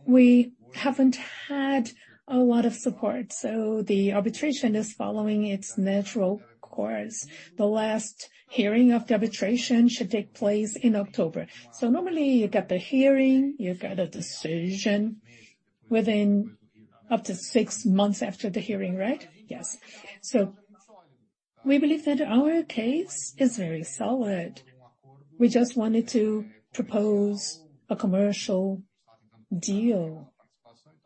we haven't had a lot of support, so the arbitration is following its natural course. The last hearing of the arbitration should take place in October. Normally, you get the hearing, you get a decision within up to six months after the hearing, right? Yes. We believe that our case is very solid. We just wanted to propose a commercial deal.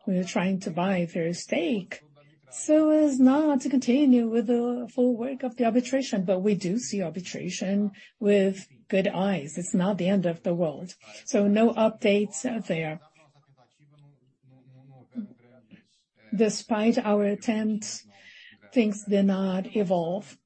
We are trying to buy their stake, so as not to continue with the full work of the arbitration, but we do see arbitration with good eyes. It's not the end of the world, so no updates out there. Despite our attempts, things did not evolve.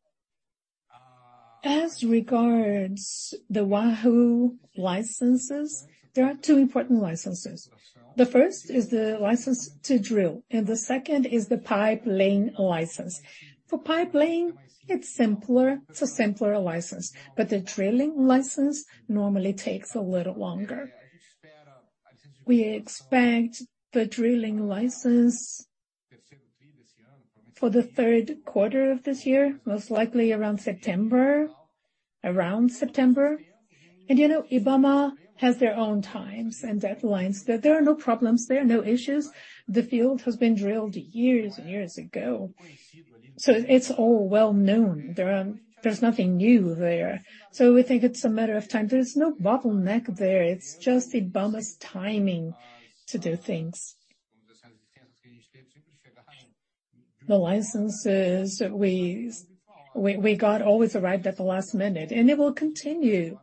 As regards the Wahoo licenses, there are two important licenses. The first is the license to drill, and the second is the pipeline license. For pipeline, it's simpler. It's a simpler license, but the drilling license normally takes a little longer. We expect the drilling license for the third quarter of this year, most likely around September. Around September. You know, IBAMA has their own times and deadlines. There are no problems, there are no issues. The field has been drilled years and years ago, so it's all well known. There's nothing new there. We think it's a matter of time. There's no bottleneck there. It's just IBAMA's timing to do things. The licenses we got always arrived at the last minute, and it will continue.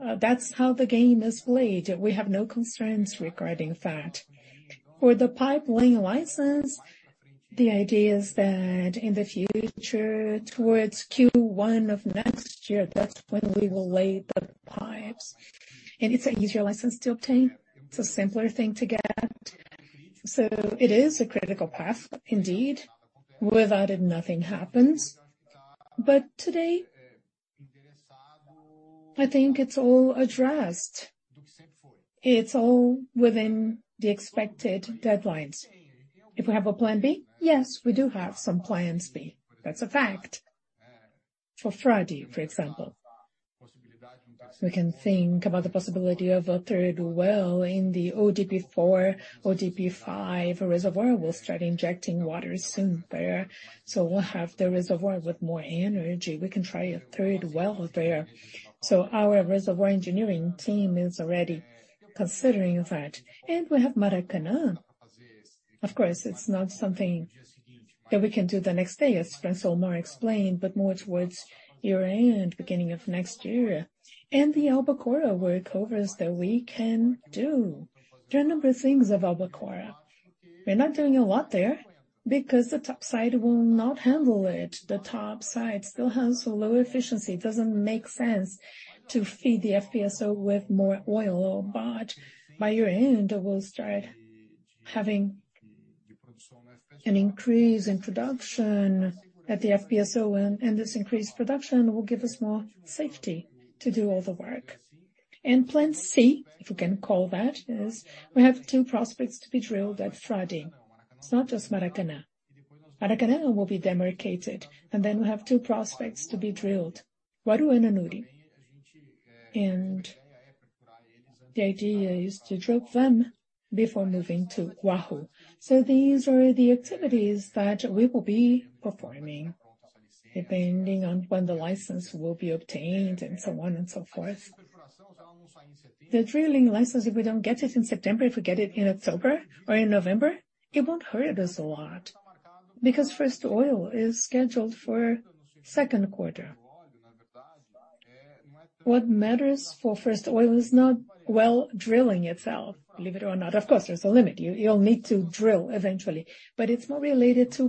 That's how the game is played. We have no concerns regarding that. For the pipeline license, the idea is that in the future, towards Q1 of next year, that's when we will lay the pipes. It's an easier license to obtain. It's a simpler thing to get. It is a critical path, indeed. Without it, nothing happens. Today, I think it's all addressed. It's all within the expected deadlines. If we have a plan B? Yes, we do have some plans B. That's a fact. For Frade, for example, we can think about the possibility of a third well in the ODP4, ODP5 reservoir. We'll start injecting water soon there, so we'll have the reservoir with more energy. We can try a third well there. Our reservoir engineering team is already considering that. We have Maracanã. Of course, it's not something that we can do the next day, as Francilmar explained, but more towards year-end, beginning of next year. The Albacora workovers that we can do. There are a number of things of Albacora. We're not doing a lot there because the top side will not handle it. The top side still has a lower efficiency. It doesn't make sense to feed the FPSO with more oil, but by year-end, we'll start having an increase in production at the FPSO, and this increased production will give us more safety to do all the work. Plan C, if we can call that, is we have two prospects to be drilled at Frade. It's not just Maracanã. Maracanã will be demarcated, and then we have two prospects to be drilled, Guará and Anauá. The idea is to drill them before moving to Wahoo. These are the activities that we will be performing, depending on when the license will be obtained and so on and so forth. The drilling license, if we don't get it in September, if we get it in October or in November, it won't hurt us a lot, because first oil is scheduled for second quarter. What matters for first oil is not, well, drilling itself, believe it or not. Of course, there's a limit. You, you'll need to drill eventually, but it's more related to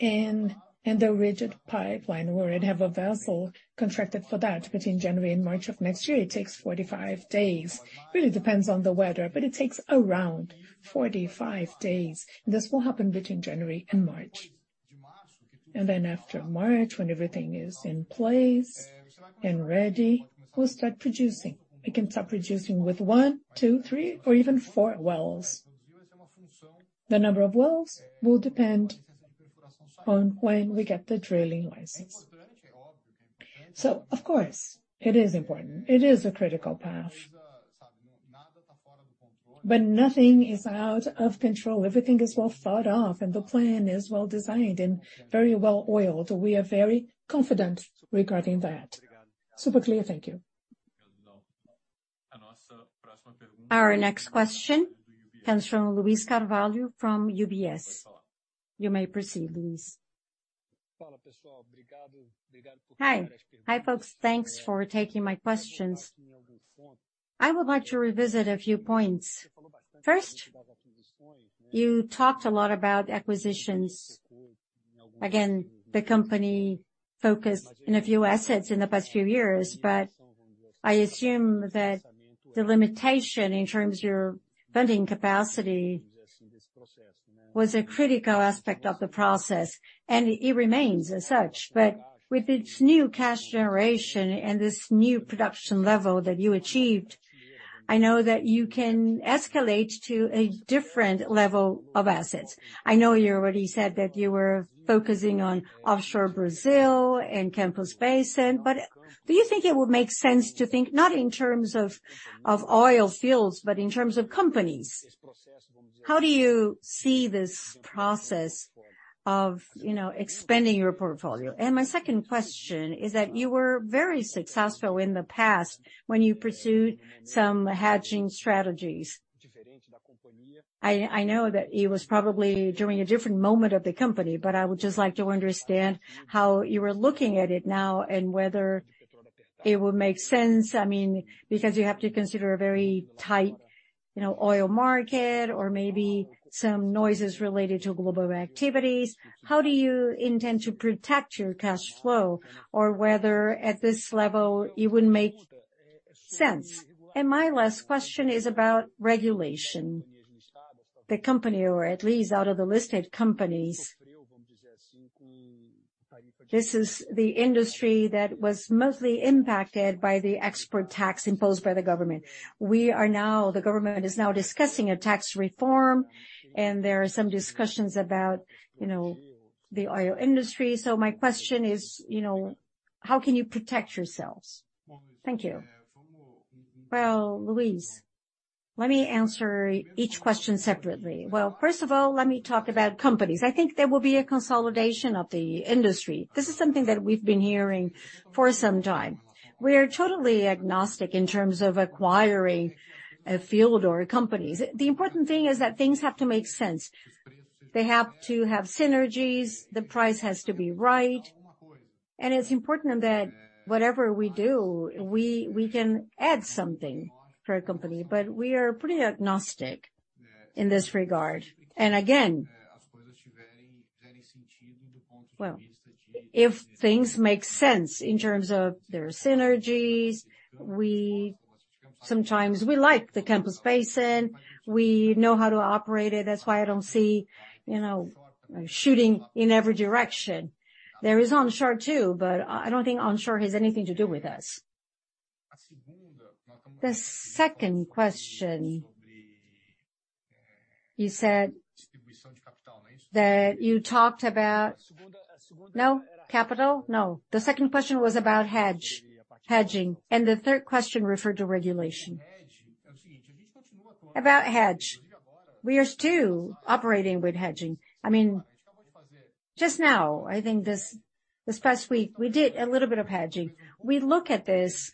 pipelining and, and the rigid pipeline, where it have a vessel contracted for that between January and March of next year. It takes 45 days. Really depends on the weather, but it takes around 45 days. This will happen between January and March. After March, when everything is in place and ready, we'll start producing. We can start producing with one, two, three, or even four wells. The number of wells will depend on when we get the drilling license. Of course, it is important. It is a critical path. Nothing is out of control. Everything is well thought of, and the plan is well designed and very well oiled. We are very confident regarding that. Super clear. Thank you. Our next question comes from Luiz Carvalho from UBS. You may proceed, Luiz. Hi. Hi, folks. Thanks for taking my questions. I would like to revisit a few points. First, you talked a lot about acquisitions. Again, the company focused in a few assets in the past few years, but I assume that the limitation in terms of your funding capacity was a critical aspect of the process, and it remains as such. With its new cash generation and this new production level that you achieved, I know that you can escalate to a different level of assets. I know you already said that you were focusing on offshore Brazil and Campos Basin, but do you think it would make sense to think not in terms of oil fields, but in terms of companies? How do you see this process of, you know, expanding your portfolio? My second question is that you were very successful in the past when you pursued some hedging strategies. I know that it was probably during a different moment of the company, but I would just like to understand how you are looking at it now and whether it would make sense, I mean, because you have to consider a very tight, you know, oil market or maybe some noises related to global activities. How do you intend to protect your cash flow or whether at this level, it would make sense? My last question is about regulation. The company, or at least out of the listed companies, this is the industry that was mostly impacted by the export tax imposed by the government. The government is now discussing a tax reform, and there are some discussions about, you know, the oil industry. My question is, you know, how can you protect yourselves? Thank you. Well, Luiz, let me answer each question separately. Well, first of all, let me talk about companies. I think there will be a consolidation of the industry. This is something that we've been hearing for some time. We are totally agnostic in terms of acquiring a field or companies. The important thing is that things have to make sense. They have to have synergies, the price has to be right, and it's important that whatever we do, we, we can add something to a company, but we are pretty agnostic in this regard. Again, well, if things make sense in terms of their synergies, sometimes we like the Campos Basin, we know how to operate it. That's why I don't see, you know, shooting in every direction. There is onshore, too. I don't think onshore has anything to do with us. The second question, you said that you talked about... No, capital? No. The second question was about hedge, hedging, and the third question referred to regulation. About hedge, we are still operating with hedging. I mean, just now, I think this past week, we did a little bit of hedging. We look at this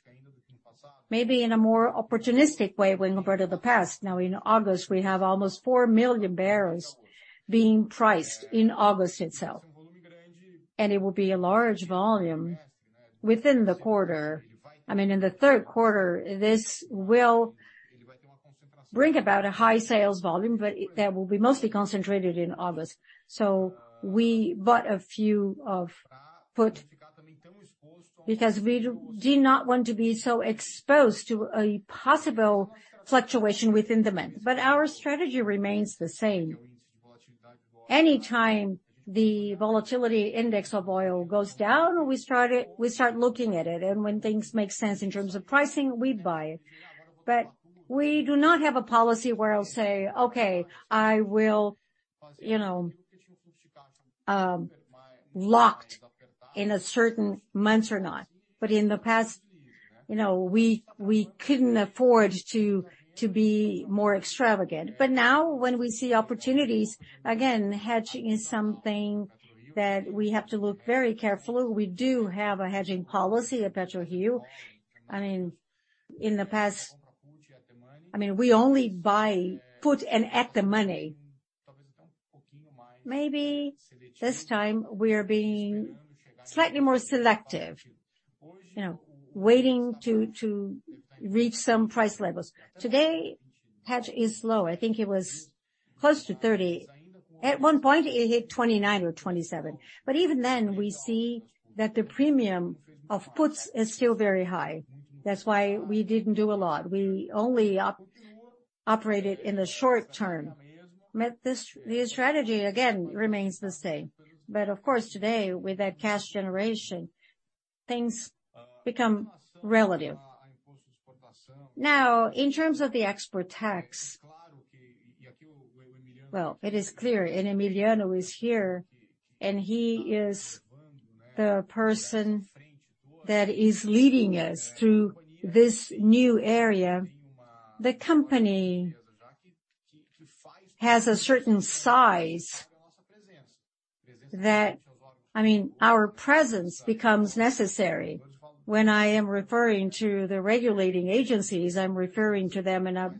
maybe in a more opportunistic way when compared to the past. Now, in August, we have almost 4 million barrels being priced in August itself, and it will be a large volume within the quarter. I mean, in the third quarter, this will bring about a high sales volume, but that will be mostly concentrated in August. We bought a few of put because we do not want to be so exposed to a possible fluctuation within the month. Our strategy remains the same. Any time the volatility index of oil goes down, we start looking at it, and when things make sense in terms of pricing, we buy it. We do not have a policy where I'll say, "Okay, I will, you know, locked in a certain month or not." In the past, you know, we couldn't afford to, to be more extravagant. Now, when we see opportunities, again, hedging is something that we have to look very carefully. We do have a hedging policy at PRIO. I mean, in the past, I mean, we only buy put and at the money. Maybe this time we are being slightly more selective, you know, waiting to, to reach some price levels. Today, hedge is low. I think it was close to $30. At one point, it hit $29 or $27. Even then, we see that the premium of puts is still very high. That's why we didn't do a lot. We only operated in the short term. This, the strategy, again, remains the same. Of course, today, with that cash generation, things become relative. In terms of the export tax, well, it is clear, and Emiliano is here, and he is the person that is leading us through this new area. The company has a certain size that, I mean, our presence becomes necessary. When I am referring to the regulating agencies, I'm referring to them in a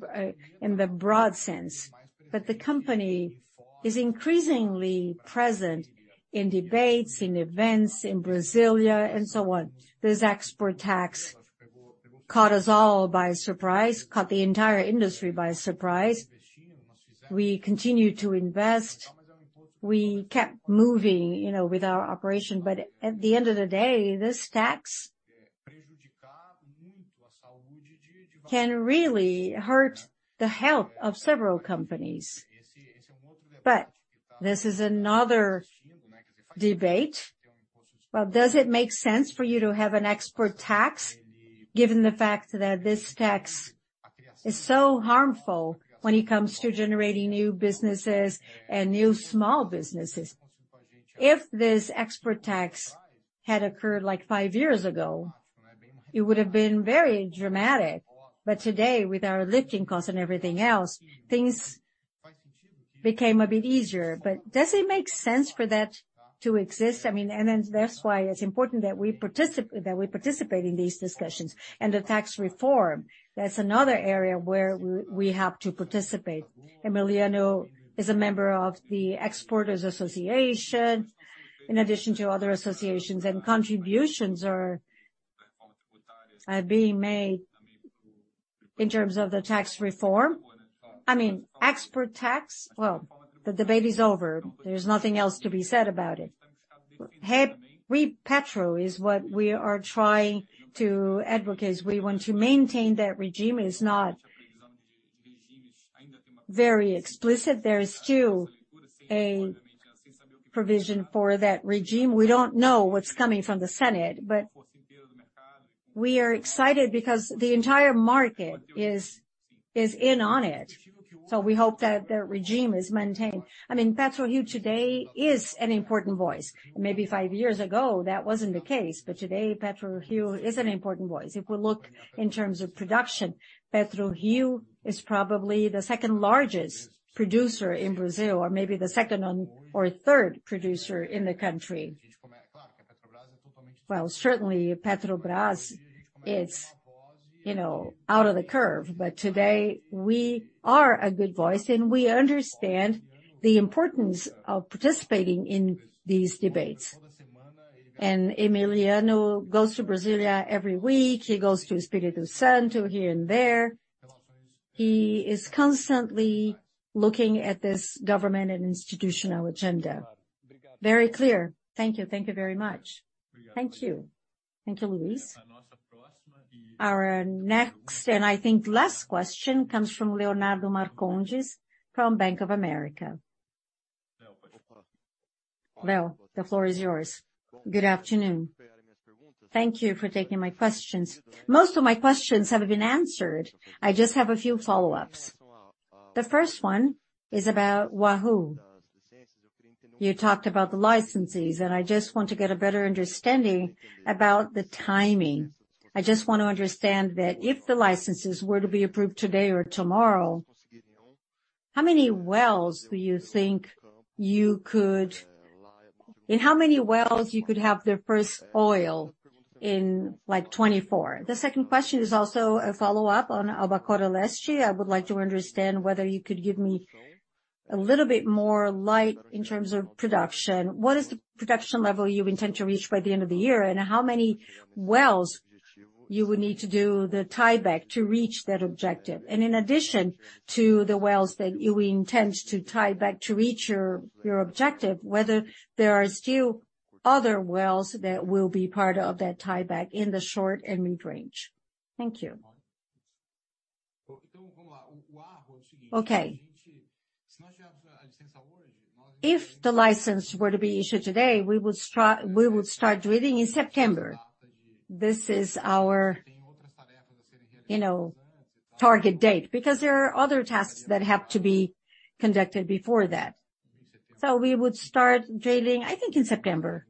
in the broad sense. The company is increasingly present in debates, in events, in Brasília, and so on. This export tax caught us all by surprise, caught the entire industry by surprise. We continued to invest, we kept moving, you know, with our operation, but at the end of the day, this tax can really hurt the health of several companies. This is another debate. Does it make sense for you to have an export tax, given the fact that this tax is so harmful when it comes to generating new businesses and new small businesses? If this export tax had occurred, like, five years ago, it would have been very dramatic. Today, with our lifting costs and everything else, things became a bit easier. Does it make sense for that to exist? I mean, and then that's why it's important that we participate in these discussions. The tax reform, that's another area where we, we have to participate. Emiliano is a member of the Exporters Association, in addition to other associations. Contributions are being made in terms of the tax reform. I mean, export tax, well, the debate is over. There's nothing else to be said about it. Repetro is what we are trying to advocate. We want to maintain that regime. It's not very explicit. There is still a provision for that regime. We don't know what's coming from the Senate. We are excited because the entire market is in on it. We hope that the regime is maintained. I mean, PRIO today is an important voice. Maybe five years ago, that wasn't the case. Today, PRIO is an important voice. If we look in terms of production, PRIO is probably the second-largest producer in Brazil, or maybe the second or third producer in the country. Well, certainly, Petrobras is, you know, out of the curve. Today we are a good voice, we understand the importance of participating in these debates. Emiliano goes to Brasília every week. He goes to Espírito Santo, here and there. He is constantly looking at this government and institutional agenda. Very clear. Thank you. Thank you very much. Thank you. Thank you, Luiz. Our next, I think last question, comes from Leonardo Marcondes from Bank of America. Leo, the floor is yours. Good afternoon. Thank you for taking my questions. Most of my questions have been answered. I just have a few follow-ups. The first one is about Wahoo. You talked about the licensees. I just want to get a better understanding about the timing. I just want to understand that if the licenses were to be approved today or tomorrow, how many wells do you think you could... In how many wells you could have their first oil in, like, 2024? The second question is also a follow-up on Albacora Leste. I would like to understand whether you could give me a little bit more light in terms of production. What is the production level you intend to reach by the end of the year, and how many wells you would need to do the tieback to reach that objective? In addition to the wells that you intend to tieback to reach your, your objective, whether there are still other wells that will be part of that tieback in the short and mid-range? Thank you. Okay. If the license were to be issued today, we would start drilling in September. This is our, you know, target date, because there are other tasks that have to be conducted before that. We would start drilling, I think, in September.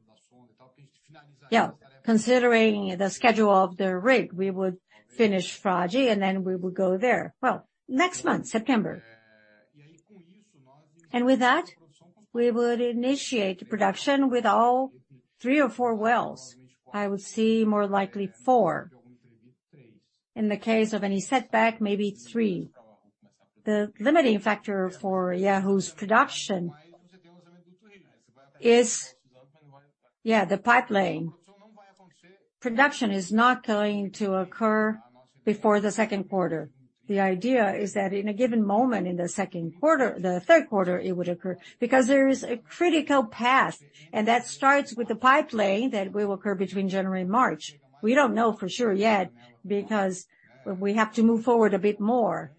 Yeah, considering the schedule of the rig, we would finish Frade, and then we would go there. Well, next month, September. With that, we would initiate production with all three or four wells. I would see more likely four. In the case of any setback, maybe three. The limiting factor for Wahoo's production is, yeah, the pipeline. Production is not going to occur before the second quarter. The idea is that in a given moment, in the second quarter, the third quarter, it would occur. There is a critical path, and that starts with the pipeline that will occur between January and March. We don't know for sure yet, because we have to move forward a bit more.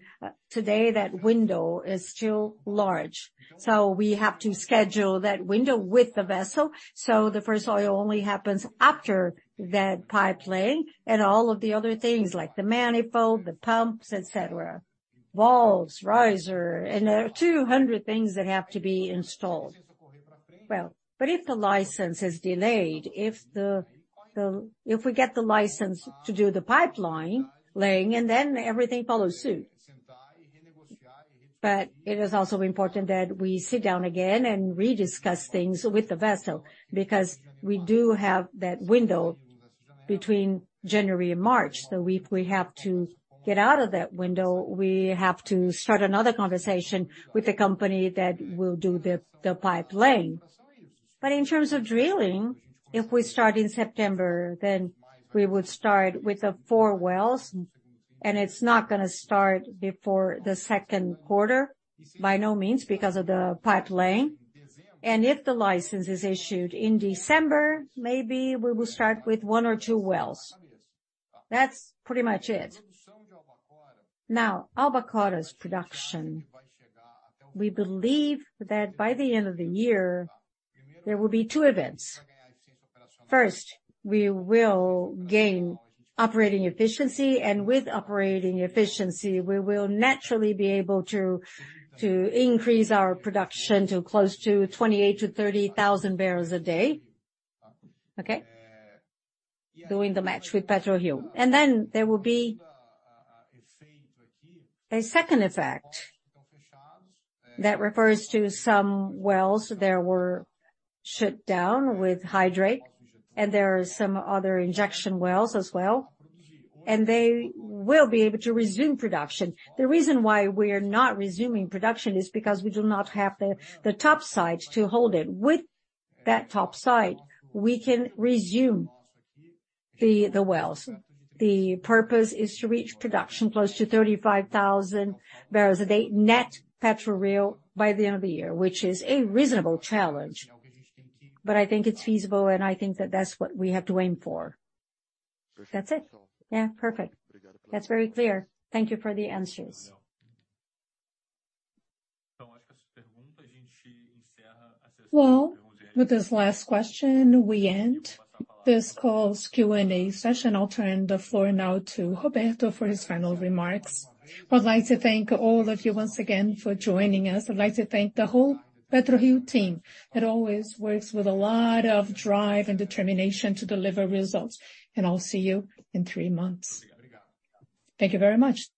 Today, that window is still large, so we have to schedule that window with the vessel. The first oil only happens after that pipeline and all of the other things, like the manifold, the pumps, et cetera, valves, riser, and there are 200 things that have to be installed. Well, if the license is delayed, if we get the license to do the pipeline laying, and then everything follows suit. It is also important that we sit down again and re-discuss things with the vessel, because we do have that window between January and March. If we have to get out of that window, we have to start another conversation with the company that will do the pipeline. In terms of drilling, if we start in September, then we would start with the four wells, and it's not gonna start before the second quarter, by no means, because of the pipeline. If the license is issued in December, maybe we will start with one or two wells. That's pretty much it. Albacora's production, we believe that by the end of the year, there will be two events. First, we will gain operating efficiency, and with operating efficiency, we will naturally be able to, to increase our production to close to 28,000 to 30,000 barrels a day. Okay? Doing the match with PRIO. Then there will be a second effect that refers to some wells that were shut down with hydrate, and there are some other injection wells as well, and they will be able to resume production. The reason why we are not resuming production is because we do not have the top side to hold it. With that top side, we can resume the wells. The purpose is to reach production close to 35,000 barrels a day, net PRIO, by the end of the year, which is a reasonable challenge, but I think it's feasible, and I think that that's what we have to aim for. That's it. Yeah, perfect. That's very clear. Thank you for the answers. Well, with this last question, we end this call's Q&A session. I'll turn the floor now to Roberto for his final remarks. I'd like to thank all of you once again for joining us. I'd like to thank the whole PRIO team, that always works with a lot of drive and determination to deliver results. I'll see you in three months. Thank you very much.